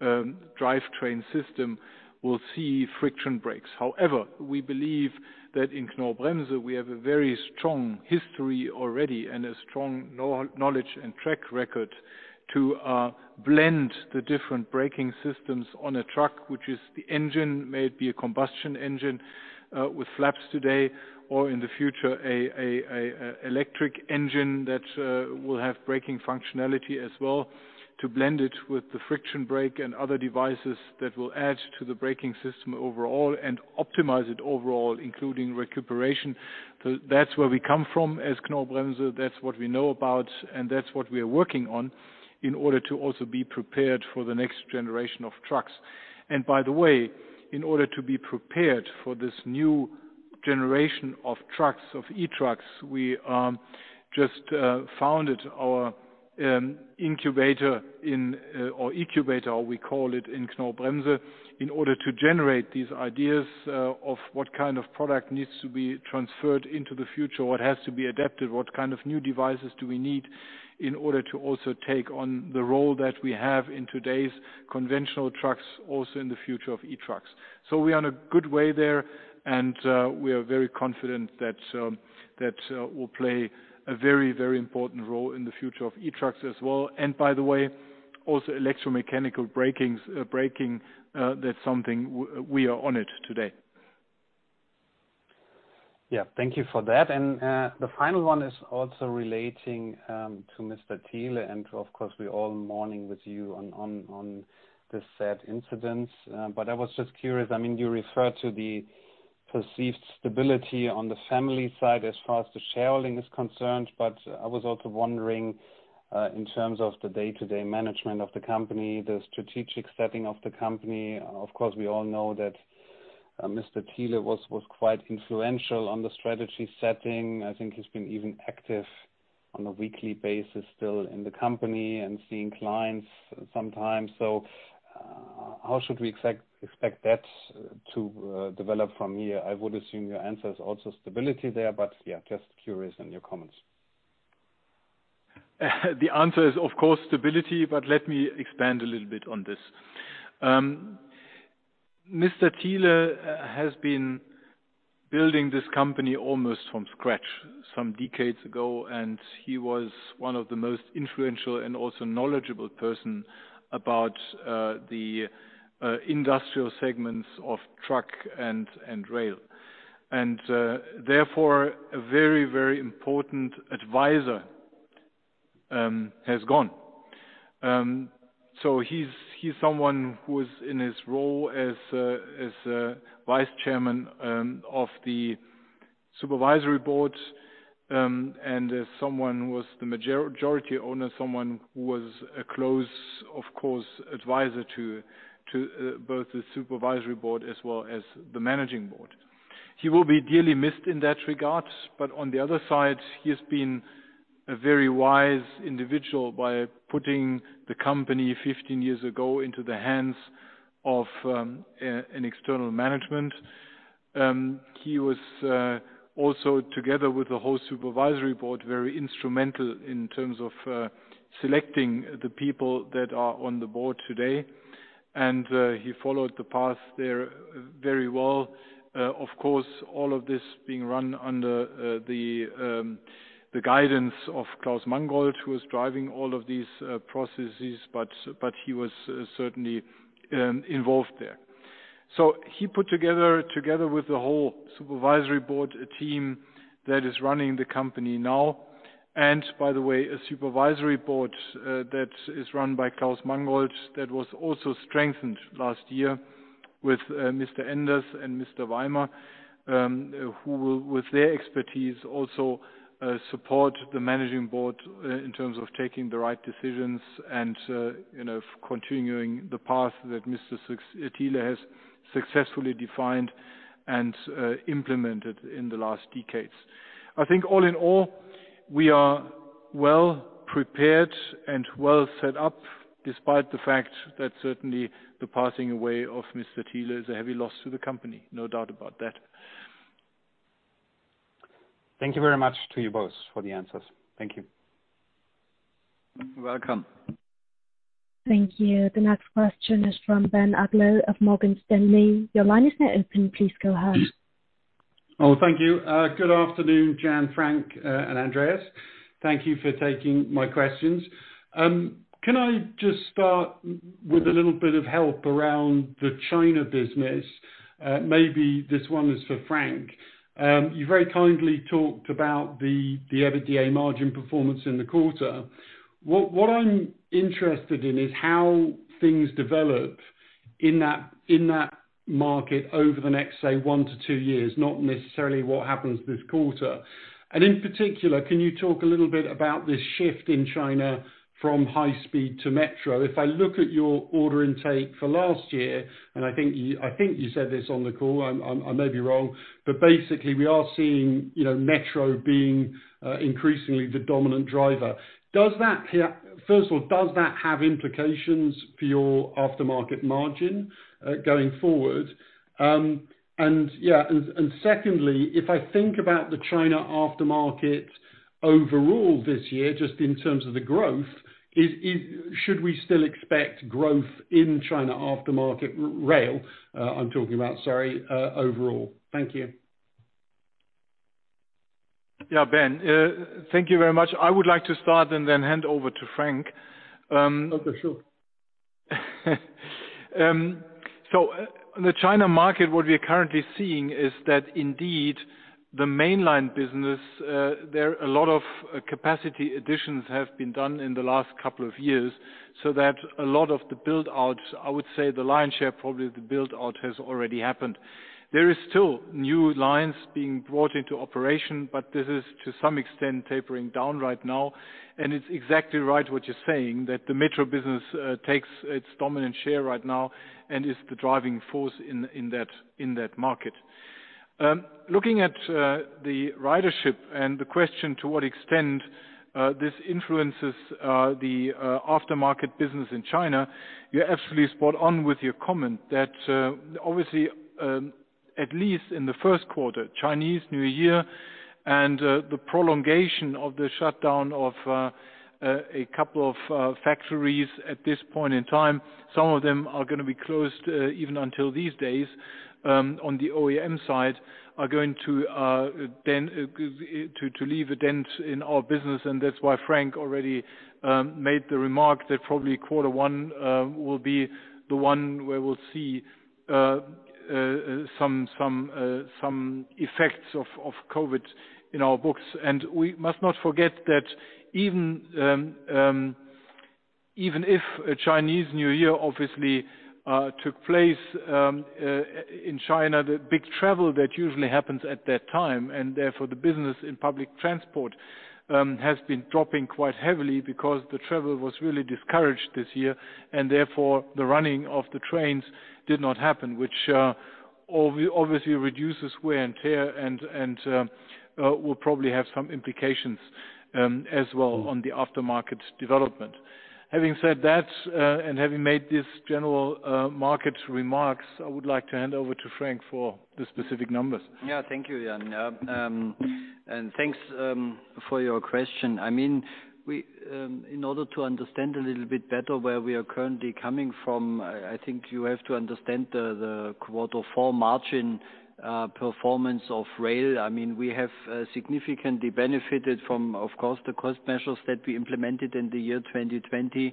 drivetrain system, we'll see friction brakes. However, we believe that in Knorr-Bremse, we have a very strong history already and a strong knowledge and track record to blend the different braking systems on a truck, which is the engine, may it be a combustion engine with flaps today, or in the future, a electric engine that will have braking functionality as well, to blend it with the friction brake and other devices that will add to the braking system overall and optimize it overall, including recuperation. That's where we come from as Knorr-Bremse, that's what we know about, and that's what we are working on in order to also be prepared for the next generation of trucks. By the way, in order to be prepared for this new generation of trucks, of e-trucks, we just founded our eCUBATOR in Knorr-Bremse, in order to generate these ideas of what kind of product needs to be transferred into the future, what has to be adapted, what kind of new devices do we need in order to also take on the role that we have in today's conventional trucks, also in the future of e-trucks. We are in a good way there, and we are very confident that we'll play a very important role in the future of e-trucks as well. By the way, also electromechanical braking, that's something we are on it today. Yeah. Thank you for that. The final one is also relating to Mr. Thiele, and of course, we're all mourning with you on this sad incident. I was just curious, you referred to the perceived stability on the family side as far as the shareholding is concerned, but I was also wondering, in terms of the day-to-day management of the company, the strategic setting of the company. Of course, we all know that Mr. Thiele was quite influential on the strategy setting. I think he's been even active on a weekly basis still in the company and seeing clients sometimes. How should we expect that to develop from here? I would assume your answer is also stability there, but yeah, just curious on your comments. The answer is, of course, stability. Let me expand a little bit on this. Mr. Thiele has been building this company almost from scratch some decades ago, and he was one of the most influential and also knowledgeable person about the industrial segments of truck and rail. Therefore, a very important advisor has gone. He's someone who is in his role as Vice Chairman of the Supervisory Board, and as someone who was the majority owner, someone who was a close, of course, advisor to both the Supervisory Board as well as the Managing Board. He will be dearly missed in that regard. On the other side, he has been a very wise individual by putting the company 15 years ago into the hands of an external management. He was also, together with the whole supervisory board, very instrumental in terms of selecting the people that are on the board today. He followed the path there very well. Of course, all of this being run under the guidance of Klaus Mangold, who was driving all of these processes, but he was certainly involved there. He put together, with the whole supervisory board, a team that is running the company now. By the way, a supervisory board that is run by Klaus Mangold, that was also strengthened last year with Mr. Enders and Mr. Weimer, who with their expertise also support the managing board in terms of taking the right decisions and continuing the path that Mr. Thiele has successfully defined and implemented in the last decades. I think all in all, we are well prepared and well set up despite the fact that certainly the passing away of Mr. Thiele is a heavy loss to the company. No doubt about that. Thank you very much to you both for the answers. Thank you. You're welcome. Thank you. The next question is from Ben Uglow of Morgan Stanley. Your line is now open. Please go ahead. Oh, thank you. Good afternoon, Jan, Frank, and Andreas. Thank you for taking my questions. Can I just start with a little bit of help around the China business? Maybe this one is for Frank. You very kindly talked about the EBITDA margin performance in the quarter. What I'm interested in is how things developed in that market over the next, say, one to two years, not necessarily what happens this quarter. In particular, can you talk a little bit about this shift in China from high speed to metro? If I look at your order intake for last year, and I think you said this on the call, I may be wrong, but basically we are seeing metro being increasingly the dominant driver. First of all, does that have implications for your aftermarket margin going forward? Secondly, if I think about the China aftermarket overall this year, just in terms of the growth, should we still expect growth in China aftermarket rail, I'm talking about, sorry, overall? Thank you. Yeah, Ben, thank you very much. I would like to start and then hand over to Frank. Okay, sure. On the China market, what we are currently seeing is that indeed the mainline business, there are a lot of capacity additions have been done in the last couple of years, so that a lot of the build outs, I would say the lion's share, probably the build out has already happened. There is still new lines being brought into operation, but this is to some extent tapering down right now, and it's exactly right what you're saying, that the metro business takes its dominant share right now and is the driving force in that market. Looking at the ridership and the question to what extent this influences the aftermarket business in China, you're absolutely spot on with your comment that obviously, at least in the first quarter, Chinese New Year and the prolongation of the shutdown of a couple of factories at this point in time, some of them are going to be closed, even until these days, on the OEM side are going to leave a dent in our business, and that's why Frank already made the remark that probably quarter one will be the one where we'll see some effects of COVID in our books. We must not forget that even if a Chinese New Year obviously took place in China, the big travel that usually happens at that time, and therefore the business in public transport, has been dropping quite heavily because the travel was really discouraged this year, and therefore the running of the trains did not happen, which obviously reduces wear and tear and will probably have some implications as well on the aftermarket development. Having said that, and having made these general market remarks, I would like to hand over to Frank for the specific numbers. Thank you, Jan. Thanks for your question. In order to understand a little bit better where we are currently coming from, I think you have to understand the quarter four margin performance of rail. We have significantly benefited from, of course, the cost measures that we implemented in the year 2020,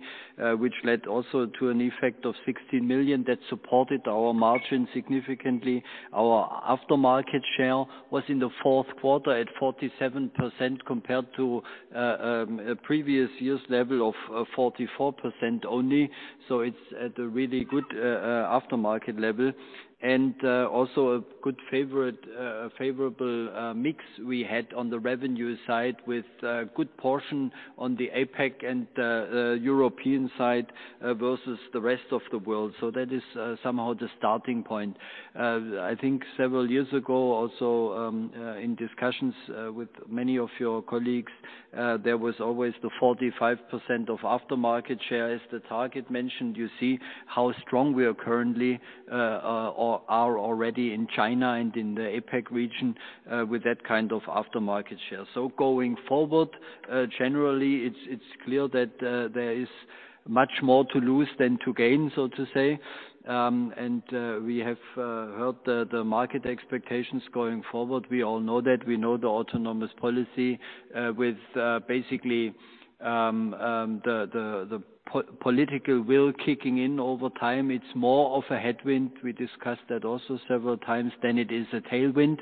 which led also to an effect of 16 million that supported our margin significantly. Our aftermarket share was in the fourth quarter at 47% compared to a previous year's level of 44% only. It's at a really good aftermarket level. Also a good favorable mix we had on the revenue side with good portion on the APAC and European side versus the rest of the world. That is somehow the starting point. I think several years ago, also in discussions with many of your colleagues, there was always the 45% of aftermarket share as the target mentioned. You see how strong we are currently or are already in China and in the APAC region with that kind of aftermarket share. Going forward, generally, it's clear that there is much more to lose than to gain, so to say. We have heard the market expectations going forward. We all know that. We know the autonomous policy with basically the political will kicking in over time. It's more of a headwind, we discussed that also several times, than it is a tailwind.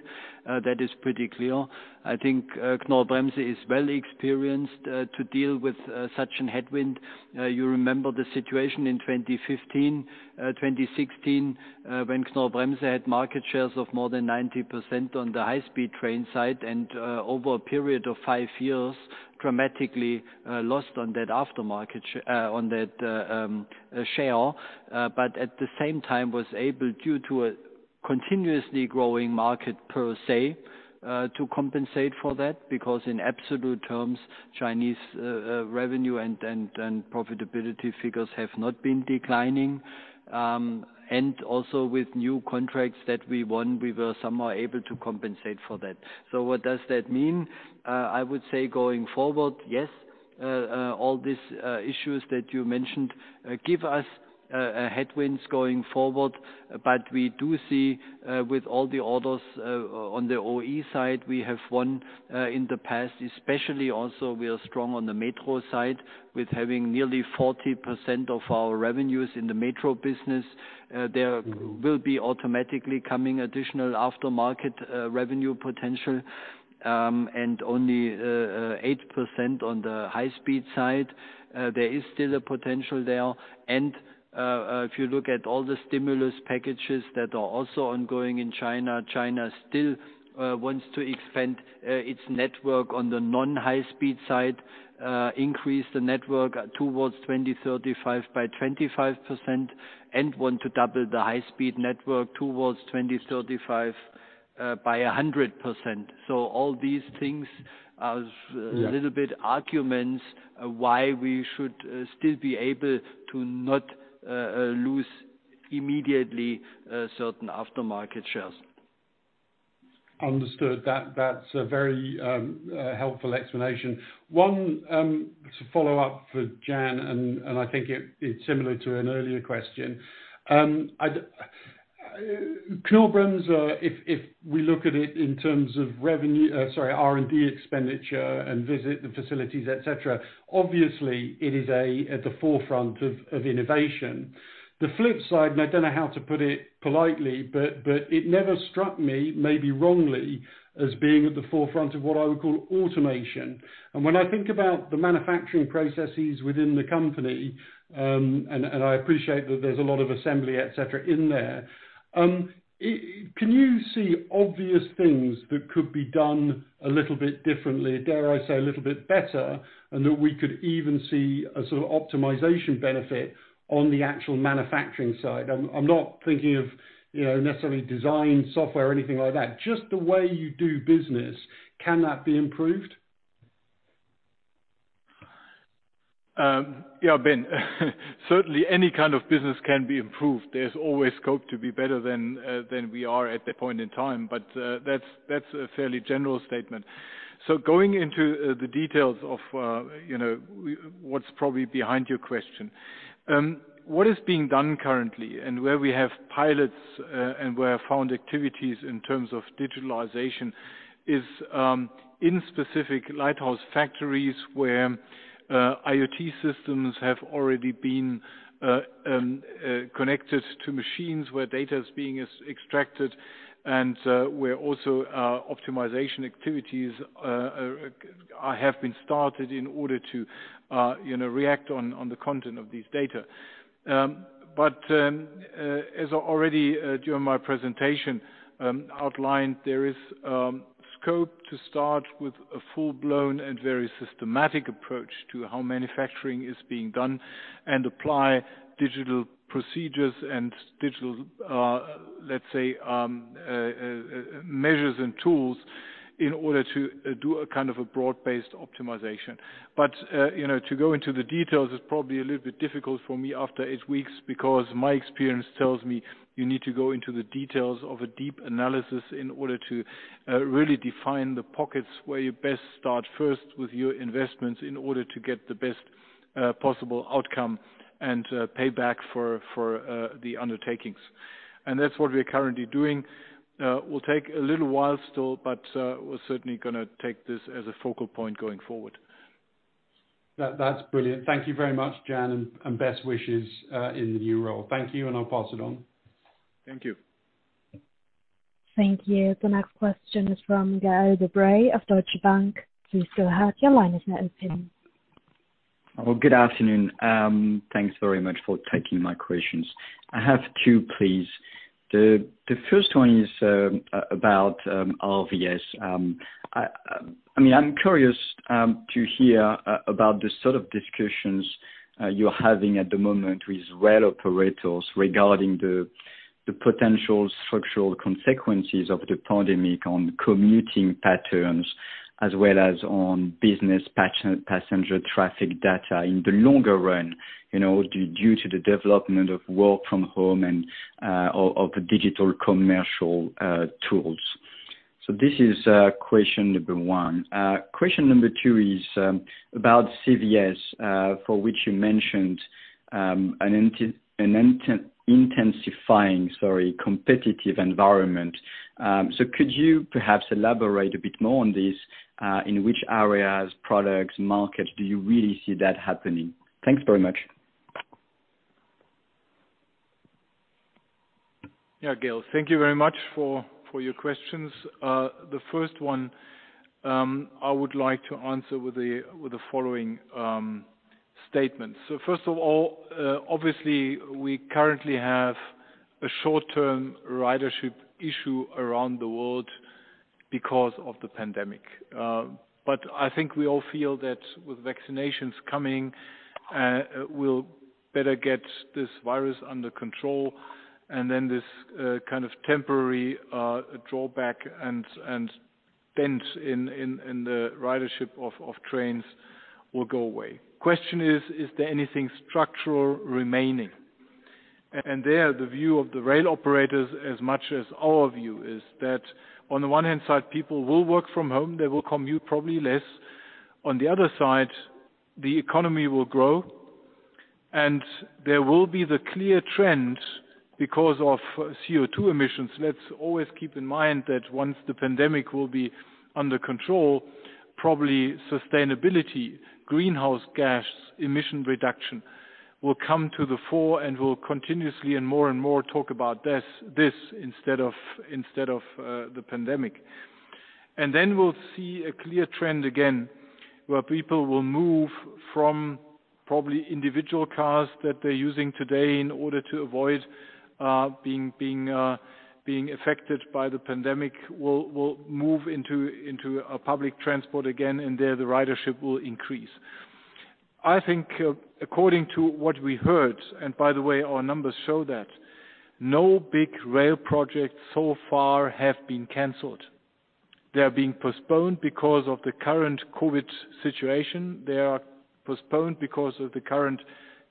That is pretty clear. I think Knorr-Bremse is well experienced to deal with such a headwind. You remember the situation in 2015, 2016, when Knorr-Bremse had market shares of more than 90% on the high-speed train side and over a period of five years dramatically lost on that share. At the same time was able, due to a continuously growing market per se, to compensate for that, because in absolute terms, Chinese revenue and profitability figures have not been declining. Also with new contracts that we won, we were somehow able to compensate for that. What does that mean? I would say going forward, yes, all these issues that you mentioned give us headwinds going forward. We do see with all the orders on the OE side we have won in the past, especially also we are strong on the metro side with having nearly 40% of our revenues in the metro business. There will be automatically coming additional aftermarket revenue potential. Only 8% on the high-speed side. There is still a potential there. If you look at all the stimulus packages that are also ongoing in China still wants to expand its network on the non-high-speed side, increase the network towards 2035 by 25%, and want to double the high-speed network towards 2035 by 100%. All these things are. Yeah a little bit arguments why we should still be able to not lose immediately certain aftermarket shares. Understood. That's a very helpful explanation. One to follow up for Jan. I think it's similar to an earlier question. Knorr-Bremse, if we look at it in terms of revenue, sorry, R&D expenditure and visit the facilities, et cetera, obviously it is at the forefront of innovation. The flip side, and I don't know how to put it politely, but it never struck me, maybe wrongly, as being at the forefront of what I would call automation. When I think about the manufacturing processes within the company, and I appreciate that there's a lot of assembly, et cetera, in there. Can you see obvious things that could be done a little bit differently, dare I say, a little bit better, and that we could even see a sort of optimization benefit on the actual manufacturing side? I'm not thinking of necessarily design software or anything like that, just the way you do business. Can that be improved? Ben certainly any kind of business can be improved. There's always scope to be better than we are at that point in time. That's a fairly general statement. Going into the details of what's probably behind your question. What is being done currently and where we have pilots and where I found activities in terms of digitalization is in specific lighthouse factories where IoT systems have already been connected to machines, where data is being extracted, and where also optimization activities have been started in order to react on the content of these data. As I already, during my presentation, outlined, there is scope to start with a full-blown and very systematic approach to how manufacturing is being done and apply digital procedures and digital, let's say, measures and tools in order to do a broad-based optimization. To go into the details is probably a little bit difficult for me after eight weeks because my experience tells me you need to go into the details of a deep analysis in order to really define the pockets where you best start first with your investments in order to get the best possible outcome and payback for the undertakings. That's what we are currently doing. It will take a little while still. We're certainly going to take this as a focal point going forward. That's brilliant. Thank you very much, Jan, and best wishes in the new role. Thank you, and I'll pass it on. Thank you. Thank you. The next question is from Gael de Bray of Deutsche Bank. Please go ahead. Good afternoon. Thanks very much for taking my questions. I have two, please. The first one is about RVS. I'm curious to hear about the sort of discussions you're having at the moment with rail operators regarding the potential structural consequences of the pandemic on commuting patterns, as well as on business passenger traffic data in the longer run, due to the development of work from home and of the digital commercial tools. This is question number one. Question number two is about CVS, for which you mentioned an intensifying competitive environment. Could you perhaps elaborate a bit more on this? In which areas, products, markets do you really see that happening? Thanks very much. Yeah, Gael, thank you very much for your questions. The first one, I would like to answer with the following statements. First of all, obviously we currently have a short-term ridership issue around the world because of the pandemic. I think we all feel that with vaccinations coming, we'll better get this virus under control, and then this kind of temporary drawback and dent in the ridership of trains will go away. Question is there anything structural remaining? There, the view of the rail operators as much as our view is that on the one hand side, people will work from home. They will commute probably less. On the other side, the economy will grow and there will be the clear trend because of CO2 emissions. Let's always keep in mind that once the pandemic will be under control. Probably sustainability, greenhouse gas emission reduction will come to the fore and we'll continuously and more and more talk about this instead of the pandemic. Then we'll see a clear trend again, where people will move from probably individual cars that they're using today in order to avoid being affected by the pandemic, will move into a public transport again, and there, the ridership will increase. I think according to what we heard, and by the way, our numbers show that no big rail projects so far have been canceled. They are being postponed because of the current COVID situation. They are postponed because of the current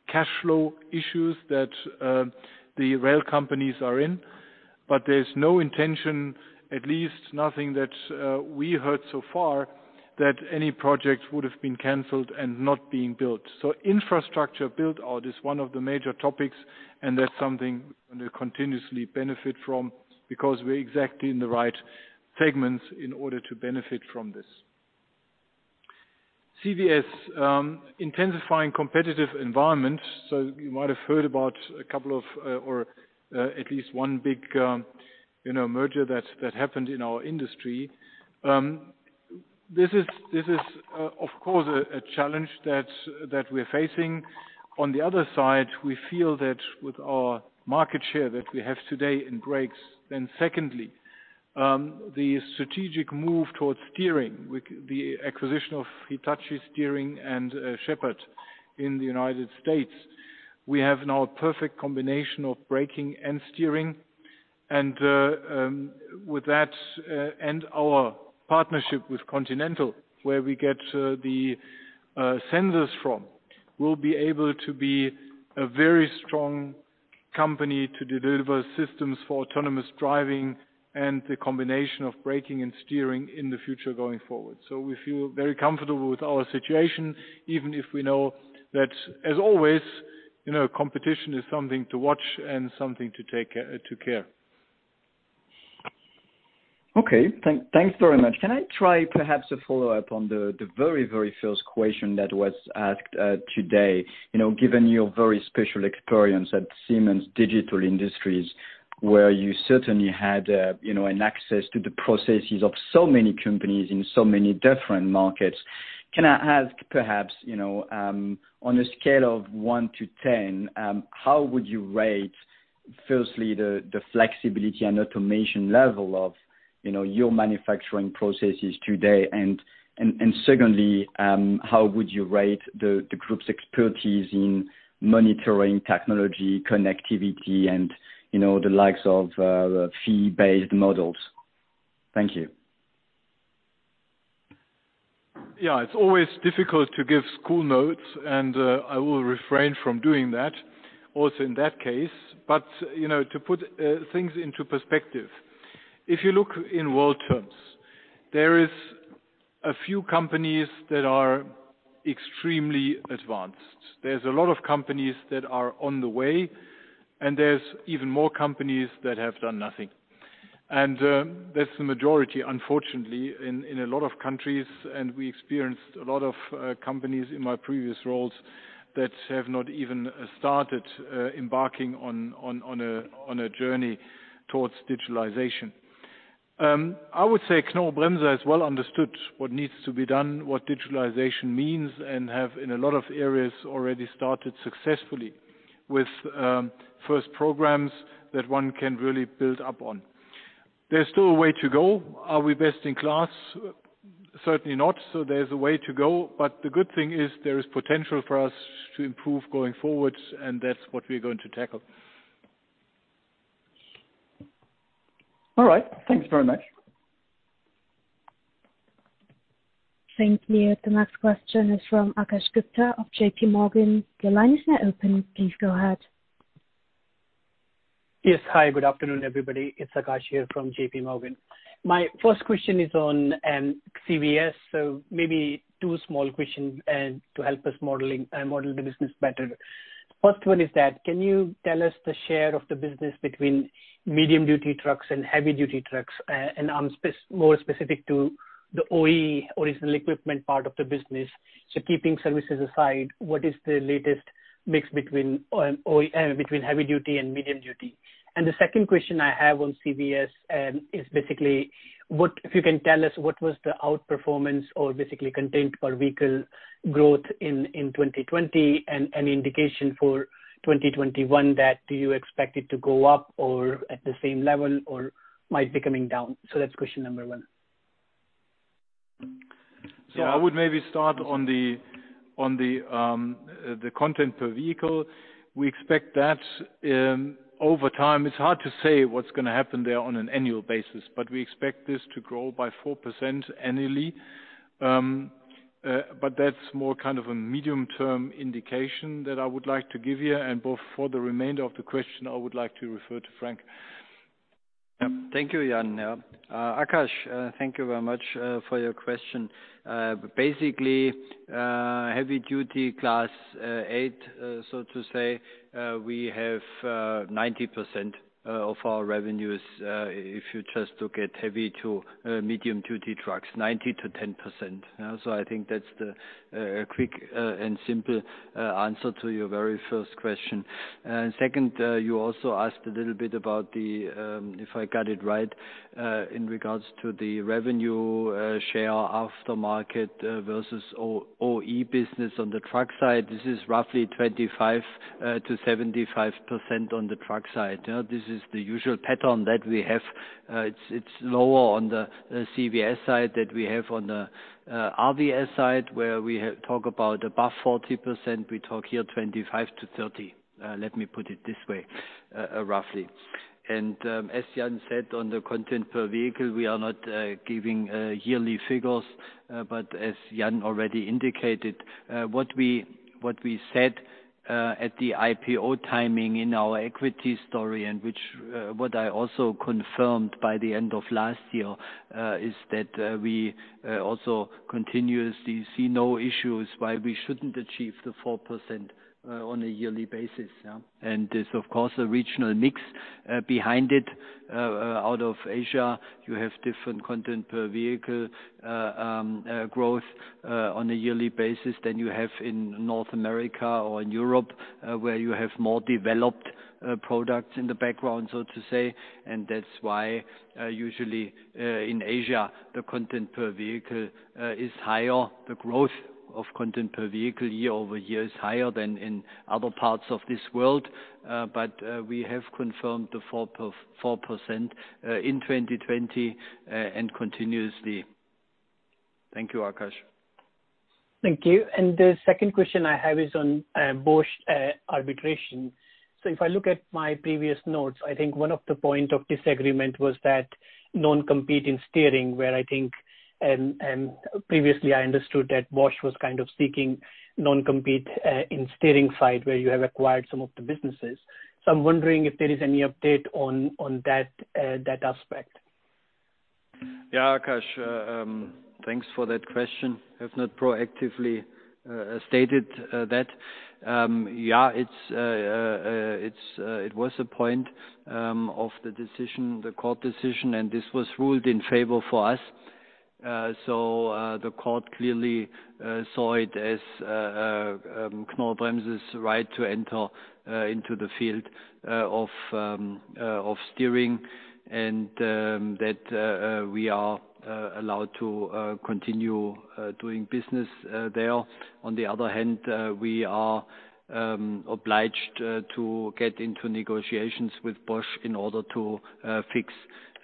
cash flow issues that the rail companies are in. There's no intention, at least nothing that we heard so far, that any projects would have been canceled and not being built. Infrastructure build-out is one of the major topics, and that's something we continuously benefit from because we're exactly in the right segment in order to benefit from this. CVS, intensifying competitive environment. You might have heard about a couple of or at least one big merger that happened in our industry. This is of course, a challenge that we're facing. On the other side, we feel that with our market share that we have today in brakes, secondly, the strategic move towards steering, the acquisition of Hitachi Steering and Sheppard in the United States. We have now a perfect combination of braking and steering, and with that and our partnership with Continental, where we get the sensors from, we'll be able to be a very strong company to deliver systems for autonomous driving and the combination of braking and steering in the future going forward. We feel very comfortable with our situation, even if we know that, as always, competition is something to watch and something to take care. Okay. Thanks very much. Can I try perhaps a follow-up on the very first question that was asked today? Given your very special experience at Siemens Digital Industries, where you certainly had an access to the processes of so many companies in so many different markets, can I ask perhaps, on a scale of one to 10, how would you rate, firstly, the flexibility and automation level of your manufacturing processes today, and secondly, how would you rate the group's expertise in monitoring technology, connectivity and the likes of fee-based models? Thank you. Yeah. It's always difficult to give school notes, and I will refrain from doing that also in that case. To put things into perspective, if you look in world terms, there is a few companies that are extremely advanced. There's a lot of companies that are on the way, and there's even more companies that have done nothing. That's the majority, unfortunately, in a lot of countries, and we experienced a lot of companies in my previous roles that have not even started embarking on a journey towards digitalization. I would say Knorr-Bremse has well understood what needs to be done, what digitalization means, and have, in a lot of areas, already started successfully with first programs that one can really build up on. There's still a way to go. Are we best in class? Certainly not. There's a way to go, but the good thing is there is potential for us to improve going forward, and that's what we're going to tackle. All right. Thanks very much. Thank you. The next question is from Akash Gupta of JPMorgan. Your line is now open. Please go ahead. Yes. Hi, good afternoon, everybody. It's Akash here from JPMorgan. My first question is on CVS. Maybe two small questions, and to help us model the business better. First one is that, can you tell us the share of the business between medium-duty trucks and heavy-duty trucks, and more specific to the OE, original equipment part of the business. Keeping services aside, what is the latest mix between heavy duty and medium duty? The second question I have on CVS, is basically, if you can tell us what was the outperformance or basically content per vehicle growth in 2020 and an indication for 2021 that you expect it to go up or at the same level or might be coming down. That's question number one. I would maybe start on the content per vehicle. We expect that over time. It's hard to say what's going to happen there on an annual basis, but we expect this to grow by 4% annually. That's more kind of a medium-term indication that I would like to give you. Both for the remainder of the question, I would like to refer to Frank. Yep. Thank you, Jan. Akash, thank you very much for your question. Heavy-duty Class 8, so to say, we have 90% of our revenues, if you just look at heavy to medium-duty trucks, 90%-10%. I think that's the quick and simple answer to your very first question. Second, you also asked a little bit about the, if I got it right, in regards to the revenue share aftermarket versus OE business on the truck side. This is roughly 25%-75% on the truck side. This is the usual pattern that we have. It's lower on the CVS side than we have on the RVS side, where we talk about above 40%, we talk here 25%-30%. Let me put it this way, roughly. As Jan said, on the content per vehicle, we are not giving yearly figures. As Jan already indicated, what we said at the IPO timing in our equity story, and what I also confirmed by the end of last year, is that we also continuously see no issues why we shouldn't achieve the 4% on a yearly basis, yeah. There's, of course, a regional mix behind it. Out of Asia, you have different content per vehicle growth on a yearly basis than you have in North America or in Europe, where you have more developed products in the background, so to say. That's why usually, in Asia, the content per vehicle is higher. The growth of content per vehicle year-over-year is higher than in other parts of this world. We have confirmed the 4% in 2020, and continuously. Thank you, Akash. Thank you. The second question I have is on Bosch arbitration. If I look at my previous notes, I think one of the point of disagreement was that non-compete in steering, where I think, and previously I understood that Bosch was kind of seeking non-compete in steering side, where you have acquired some of the businesses. I'm wondering if there is any update on that aspect. Yeah, Akash. Thanks for that question. I have not proactively stated that. Yeah, it was a point of the court decision, and this was ruled in favor for us. The court clearly saw it as Knorr-Bremse's right to enter into the field of steering and that we are allowed to continue doing business there. On the other hand, we are obliged to get into negotiations with Bosch in order to fix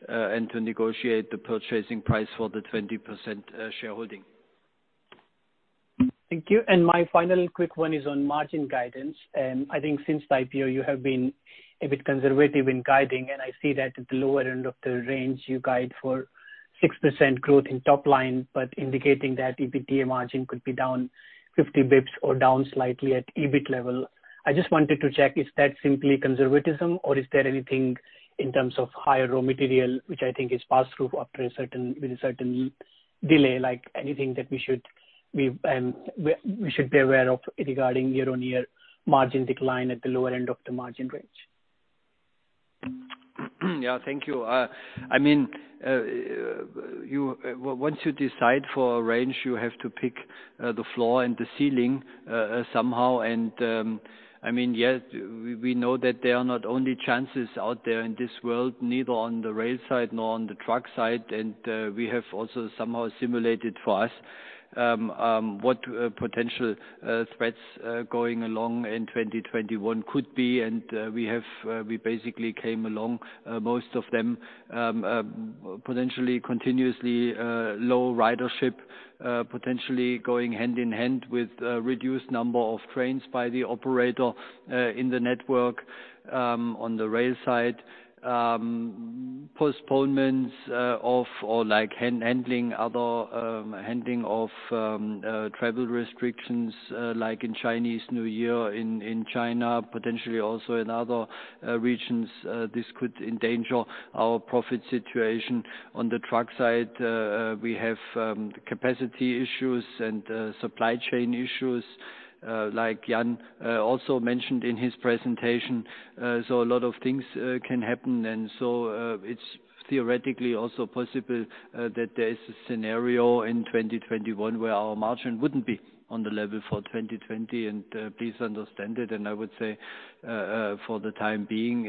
and to negotiate the purchasing price for the 20% shareholding. Thank you. My final quick one is on margin guidance. I think since the IPO, you have been a bit conservative in guiding. I see that at the lower end of the range, you guide for 6% growth in top line, indicating that EBITDA margin could be down 50 basis points or down slightly at EBIT level. I just wanted to check, is that simply conservatism or is there anything in terms of higher raw material, which I think is passed through after a certain delay, like anything that we should be aware of regarding year-on-year margin decline at the lower end of the margin range? Yeah, thank you. Once you decide for a range, you have to pick the floor and the ceiling somehow. I mean, yeah, we know that there are not only chances out there in this world, neither on the rail side nor on the truck side, and we have also somehow simulated for us what potential threats going along in 2021 could be. We basically came along most of them, potentially continuously low ridership, potentially going hand-in-hand with reduced number of trains by the operator in the network, on the rail side. Postponements of, or like handling of travel restrictions, like in Chinese New Year in China, potentially also in other regions, this could endanger our profit situation. On the truck side, we have capacity issues and supply chain issues, like Jan also mentioned in his presentation. A lot of things can happen. It's theoretically also possible that there is a scenario in 2021 where our margin wouldn't be on the level for 2020, and please understand it. I would say, for the time being,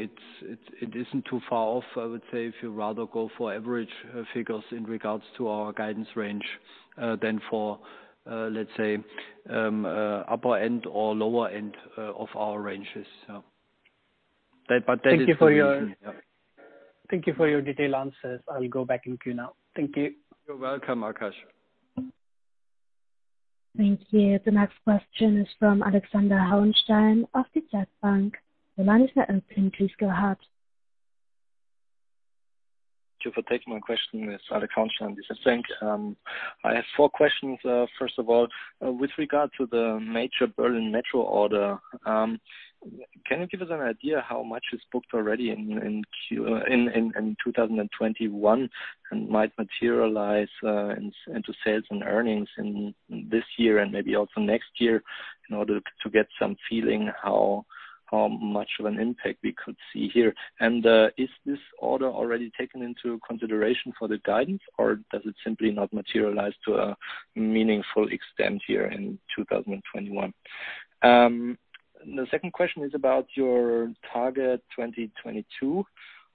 it isn't too far off, I would say, if you rather go for average figures in regards to our guidance range, than for, let's say, upper end or lower end of our ranges. That is the reason, yeah. Thank you for your detailed answers. I will go back in queue now. Thank you. You're welcome, Akash. Thank you. The next question is from Alexander Hauenstein of the [DZ Bank]. The line is now open. Please go ahead. Thank you for taking my question, Mr. Mrosik and Mr. Frank. I have four questions. First of all, with regard to the major Berlin Metro order, can you give us an idea how much is booked already in 2021 and might materialize into sales and earnings in this year and maybe also next year, in order to get some feeling how much of an impact we could see here? Is this order already taken into consideration for the guidance, or does it simply not materialize to a meaningful extent here in 2021? The second question is about your target 2022.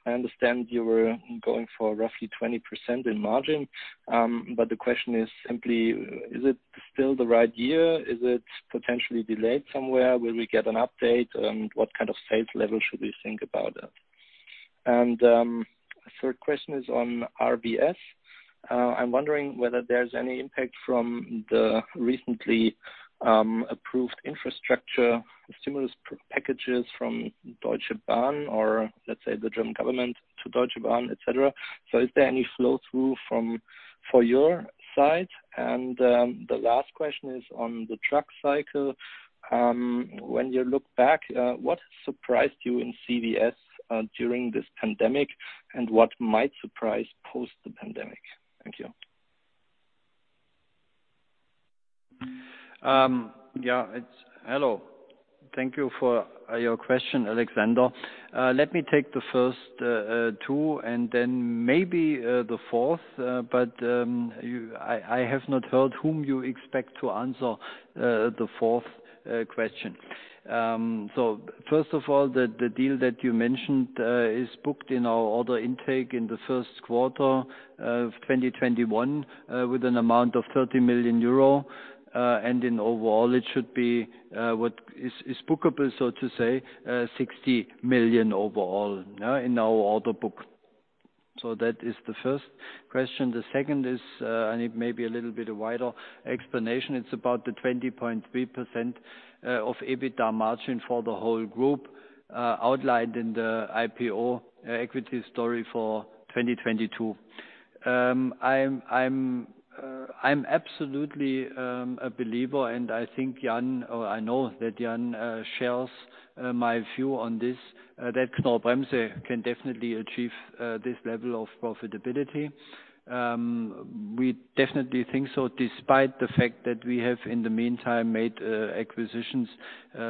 I understand you were going for roughly 20% in margin. The question is simply, is it still the right year? Is it potentially delayed somewhere? Will we get an update? What kind of sales level should we think about? Third question is on RVS. I'm wondering whether there's any impact from the recently approved infrastructure stimulus packages from Deutsche Bahn, or let's say the German government to Deutsche Bahn, et cetera. Is there any flow-through for your side? The last question is on the truck cycle. When you look back, what surprised you in CVS during this pandemic and what might surprise post the pandemic? Thank you. Hello. Thank you for your question, Alexander. Let me take the first two and then maybe the fourth. I have not heard whom you expect to answer the fourth question. First of all, the deal that you mentioned is booked in our order intake in the first quarter of 2021, with an amount of 30 million euro. In overall, it should be what is bookable, so to say, 60 million overall in our order book. That is the first question. The second is, I need maybe a little bit of wider explanation. It's about the 20.3% of EBITDA margin for the whole group, outlined in the IPO equity story for 2022. I'm absolutely a believer, and I think Jan, or I know that Jan shares my view on this, that Knorr-Bremse can definitely achieve this level of profitability. We definitely think so, despite the fact that we have, in the meantime, made acquisitions,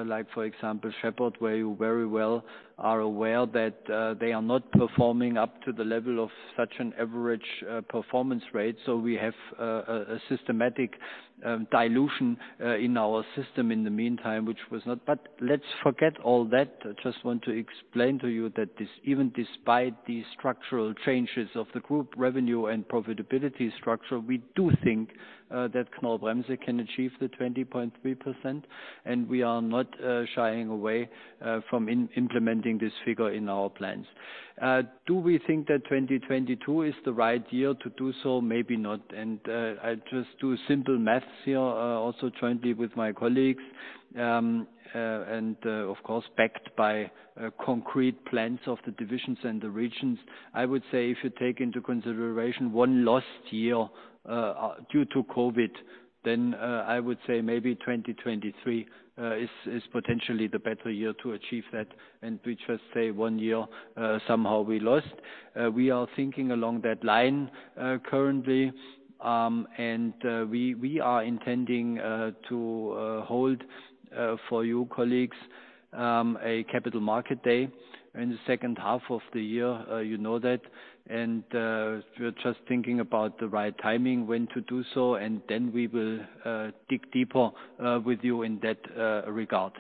like for example, Sheppard, where you very well are aware that they are not performing up to the level of such an average performance rate. We have a systematic dilution in our system in the meantime. Let's forget all that. I just want to explain to you that even despite these structural changes of the group revenue and profitability structure, we do think that Knorr-Bremse can achieve the 20.3%, and we are not shying away from implementing this figure in our plans. Do we think that 2022 is the right year to do so? Maybe not. I just do simple maths here, also jointly with my colleagues, and of course backed by concrete plans of the divisions and the regions. I would say if you take into consideration one lost year due to COVID, then I would say maybe 2023 is potentially the better year to achieve that. We just say one year, somehow we lost. We are thinking along that line currently. We are intending to hold for you colleagues, a capital market day in the second half of the year. You know that. We're just thinking about the right timing when to do so, and then we will dig deeper with you in that regard.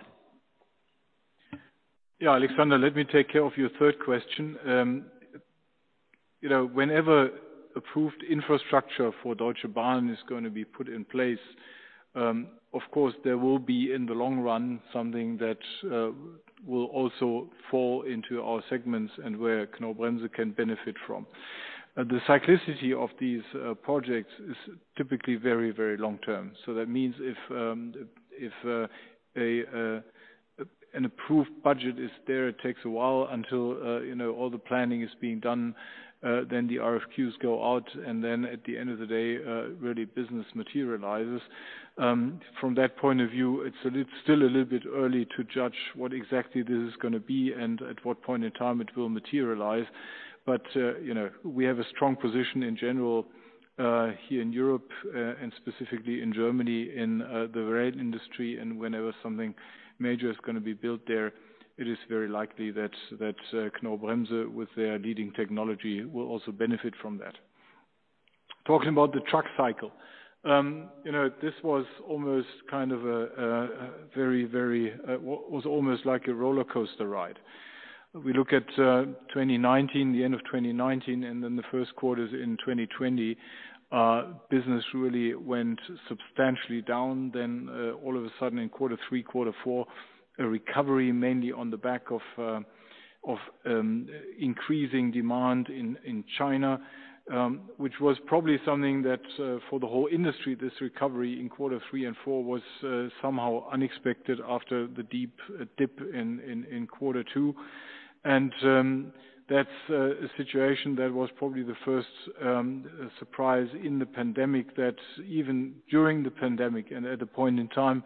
Yeah, Alexander, let me take care of your third question. Whenever approved infrastructure for Deutsche Bahn is going to be put in place, of course, there will be, in the long run, something that will also fall into our segments and where Knorr-Bremse can benefit from. The cyclicity of these projects is typically very, very long-term. That means if an approved budget is there, it takes a while until all the planning is being done, then the RFQs go out, and then at the end of the day, really business materializes. From that point of view, it's still a little bit early to judge what exactly this is going to be and at what point in time it will materialize. We have a strong position in general here in Europe, and specifically in Germany, in the rail industry. Whenever something major is going to be built there, it is very likely that Knorr-Bremse, with their leading technology, will also benefit from that. Talking about the truck cycle. This was almost like a roller coaster ride. We look at the end of 2019 and then the first quarters in 2020, business really went substantially down. All of a sudden in quarter three, quarter four, a recovery, mainly on the back of increasing demand in China which was probably something that for the whole industry, this recovery in quarter three and four was somehow unexpected after the deep dip in quarter two. That's a situation that was probably the first surprise in the pandemic, that even during the pandemic and at a point in time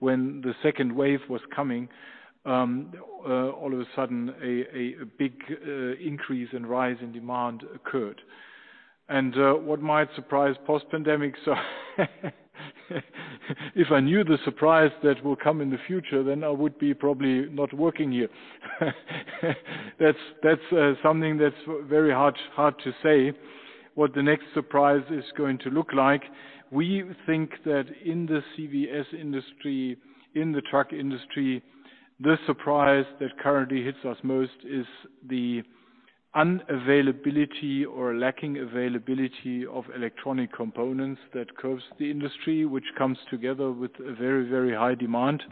when the second wave was coming, all of a sudden a big increase in rise in demand occurred. What might surprise post-pandemic, so if I knew the surprise that will come in the future, then I would be probably not working here. That's something that's very hard to say, what the next surprise is going to look like. We think that in the CVS industry, in the truck industry, the surprise that currently hits us most is the unavailability or lacking availability of electronic components that curbs the industry, which comes together with a very, very high demand.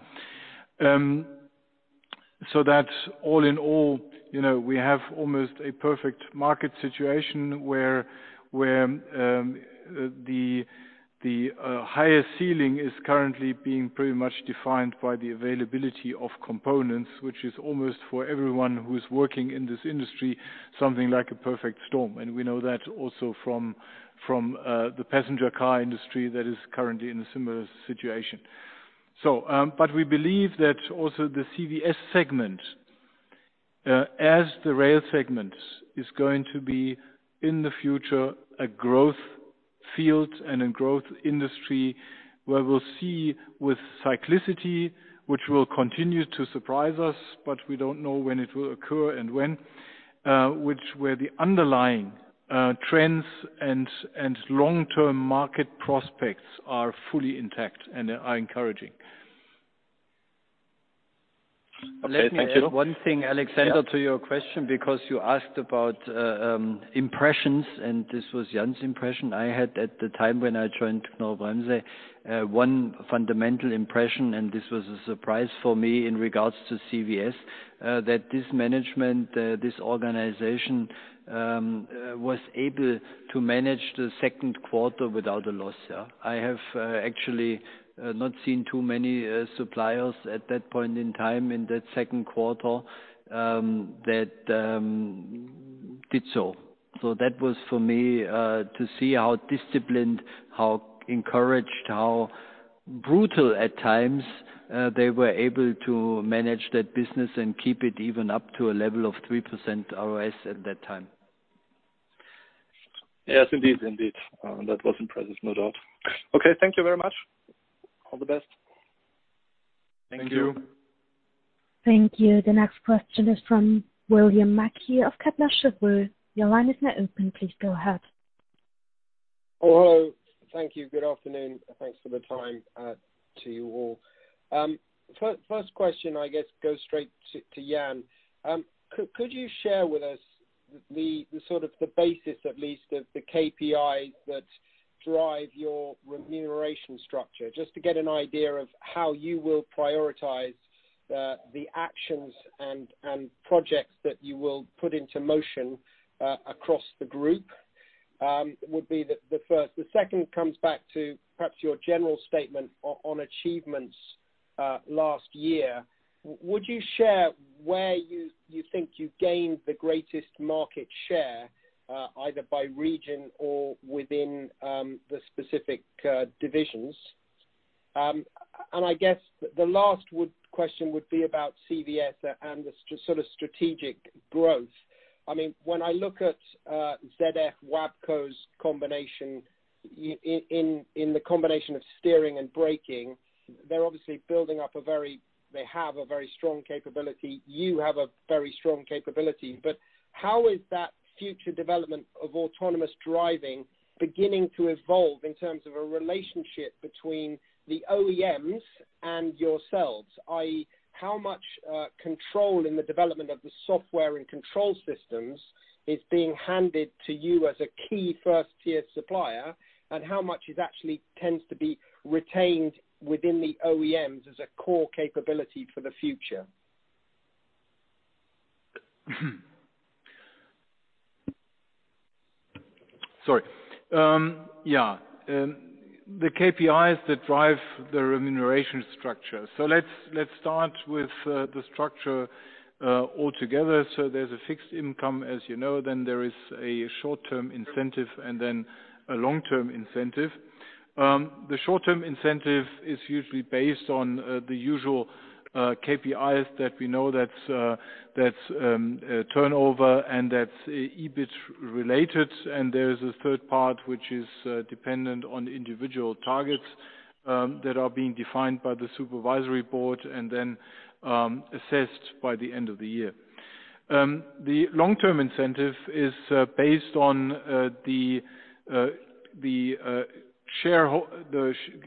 That all in all, we have almost a perfect market situation where the highest ceiling is currently being pretty much defined by the availability of components, which is almost for everyone who's working in this industry, something like a perfect storm. We know that also from the passenger car industry that is currently in a similar situation. We believe that also the CVS segment, as the rail segment, is going to be, in the future, a growth field and a growth industry where we'll see with cyclicity, which will continue to surprise us, but we don't know when it will occur where the underlying trends and long-term market prospects are fully intact and are encouraging. Okay. Thank you. Let me add one thing, Alexander, to your question, because you asked about impressions, and this was Jan's impression. I had at the time when I joined Knorr-Bremse, one fundamental impression, and this was a surprise for me in regards to CVS, that this management, this organization, was able to manage the second quarter without a loss. I have actually not seen too many suppliers at that point in time in that second quarter, that did so. That was for me to see how disciplined, how encouraged, how brutal at times, they were able to manage that business and keep it even up to a level of 3% ROS at that time. Yes, indeed. That was impressive, no doubt. Okay. Thank you very much. All the best. Thank you. Thank you. Thank you. The next question is from William Mackie of Kepler Cheuvreux. Your line is now open. Please go ahead. Hello. Thank you. Good afternoon. Thanks for the time to you all. First question, go straight to Jan. Could you share with us the basis of the KPIs that drive your remuneration structure, just to get an idea of how you will prioritize the actions and projects that you will put into motion across the group? Would be the first. The second comes back to your general statement on achievements last year. Would you share where you think you gained the greatest market share, either by region or within the specific divisions? The last question would be about CVS and the strategic growth. When I look at ZF-WABCO's combination in the combination of steering and braking, they have a very strong capability. You have a very strong capability. How is that future development of autonomous driving beginning to evolve in terms of a relationship between the OEMs and yourselves, i.e. how much control in the development of the software and control systems is being handed to you as a key first-tier supplier, and how much is actually tends to be retained within the OEMs as a core capability for the future? Sorry. Yeah. The KPIs that drive the remuneration structure. Let's start with the structure all together. There's a fixed income, as you know. There is a short-term incentive and then a long-term incentive. The short-term incentive is usually based on the usual KPIs that we know that's turnover and that's EBIT related, and there is a third part, which is dependent on individual targets, that are being defined by the supervisory board and then assessed by the end of the year. The long-term incentive is based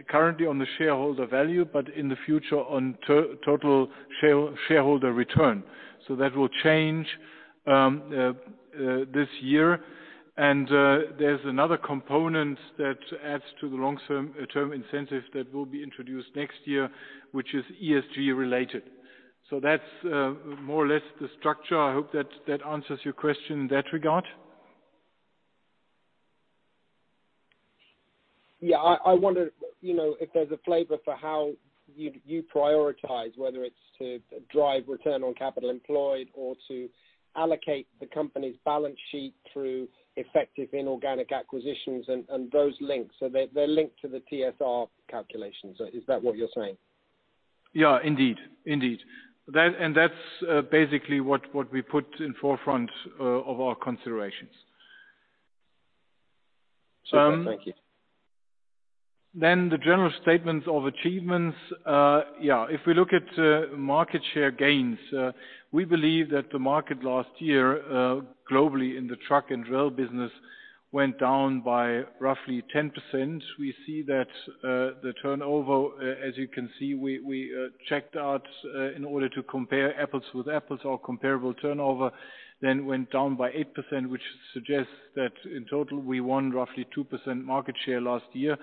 currently on the shareholder value, but in the future, on total shareholder return. That will change this year. There's another component that adds to the long-term incentive that will be introduced next year, which is ESG related. That's more or less the structure. I hope that answers your question in that regard. I wonder if there's a flavor for how you prioritize, whether it's to drive return on capital employed or to allocate the company's balance sheet through effective inorganic acquisitions and those links. They're linked to the TSR calculations. Is that what you're saying? Yeah, indeed. That's basically what we put in forefront of our considerations. Super. Thank you. The general statements of achievements. If we look at market share gains, we believe that the market last year, globally in the truck and rail business, went down by roughly 10%. We see that the turnover, as you can see, we checked out in order to compare apples with apples or comparable turnover, then went down by 8%, which suggests that in total, we won roughly 2% market share last year.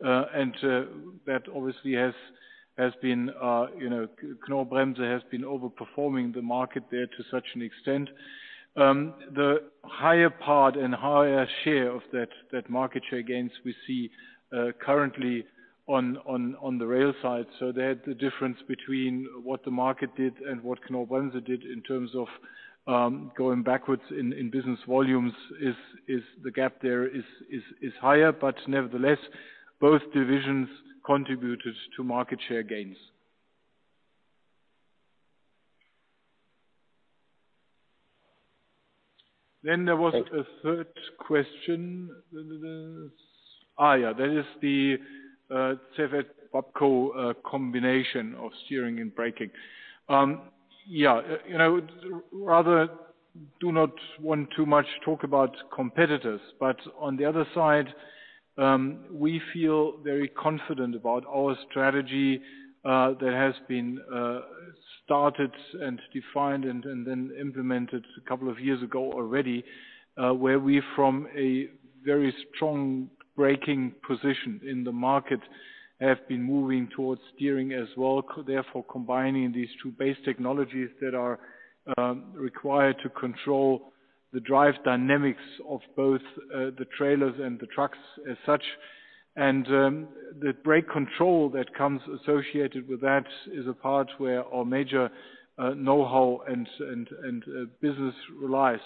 That obviously has been, Knorr-Bremse has been over-performing the market there to such an extent. The higher part and higher share of that market share gains we see currently on the rail side. The difference between what the market did and what Knorr-Bremse did in terms of going backwards in business volumes, the gap there is higher. Nevertheless, both divisions contributed to market share gains. There was a third question. Yeah. That is the ZF-WABCO combination of steering and braking. Rather do not want too much talk about competitors, but on the other side, we feel very confident about our strategy that has been started and defined and then implemented a couple of years ago already, where we from a very strong braking position in the market have been moving towards steering as well, therefore combining these two base technologies that are required to control the drive dynamics of both the trailers and the trucks as such. The brake control that comes associated with that is a part where our major knowhow and business relies.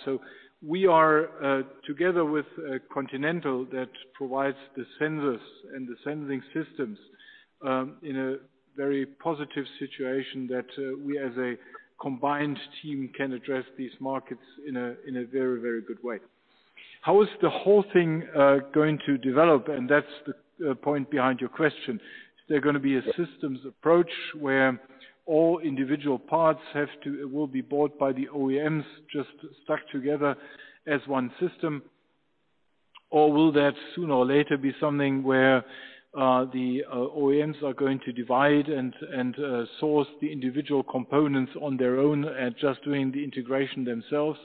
We are together with Continental, that provides the sensors and the sensing systems in a very positive situation that we, as a combined team, can address these markets in a very good way. How is the whole thing going to develop? That's the point behind your question. Is there going to be a systems approach where all individual parts will be bought by the OEMs, just stuck together as one system? Or will that sooner or later be something where the OEMs are going to divide and source the individual components on their own and just doing the integration themselves?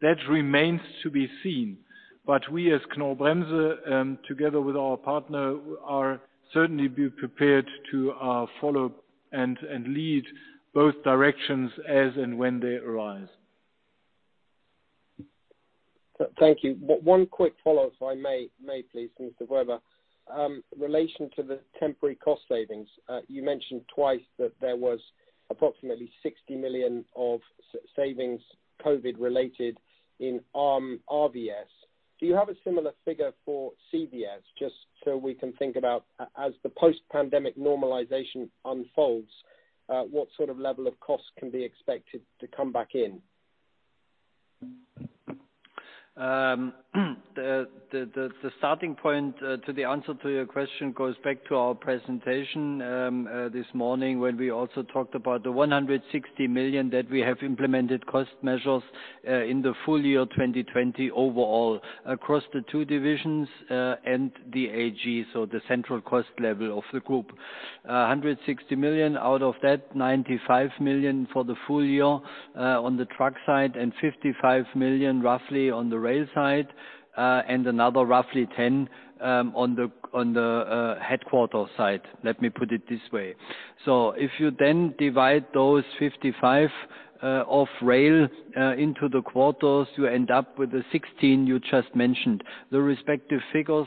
That remains to be seen, but we as Knorr-Bremse, together with our partner, are certainly be prepared to follow and lead both directions as and when they arise. Thank you. One quick follow-up, if I may please, Mr. Weber. In relation to the temporary cost savings, you mentioned twice that there was approximately 60 million of savings COVID related in RVS. Do you have a similar figure for CVS? Just so we can think about as the post-pandemic normalization unfolds, what sort of level of cost can be expected to come back in? The starting point to the answer to your question goes back to our presentation this morning, when we also talked about the 160 million that we have implemented cost measures in the full year 2020 overall, across the two divisions and the AG, so the central cost level of the group. 160 million, out of that, 95 million for the full year on the truck side and 55 million roughly on the rail side, and another roughly 10 million on the headquarter side. Let me put it this way. If you then divide those 55 million of rail into the quarters, you end up with the 16 million you just mentioned. The respective figure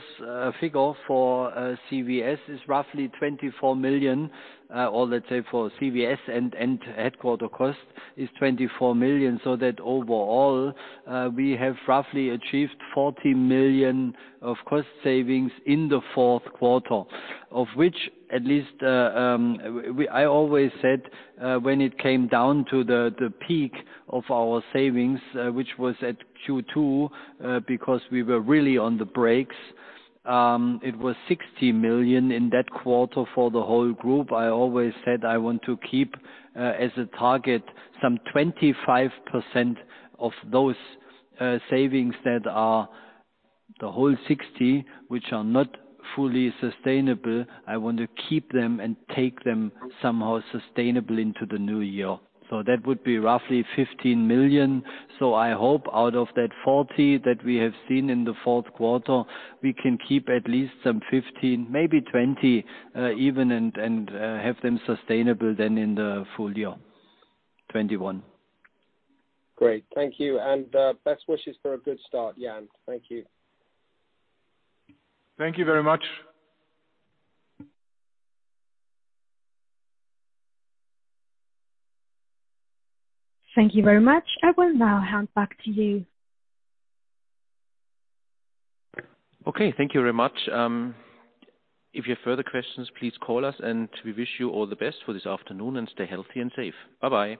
for CVS is roughly 24 million, or let's say for CVS and headquarter cost is 24 million, so that overall, we have roughly achieved 40 million of cost savings in the fourth quarter, of which at least, I always said when it came down to the peak of our savings, which was at Q2, because we were really on the brakes, it was 60 million in that quarter for the whole group. I always said I want to keep as a target some 25% of those savings that are the whole 60 million, which are not fully sustainable. I want to keep them and take them somehow sustainable into the new year. That would be roughly 15 million. I hope out of that 40 that we have seen in the fourth quarter, we can keep at least some 15, maybe 20 even, and have them sustainable then in the full year 2021. Great. Thank you. Best wishes for a good start, Jan. Thank you. Thank you very much. Thank you very much. I will now hand back to you. Okay. Thank you very much. If you have further questions, please call us, and we wish you all the best for this afternoon, and stay healthy and safe. Bye-bye.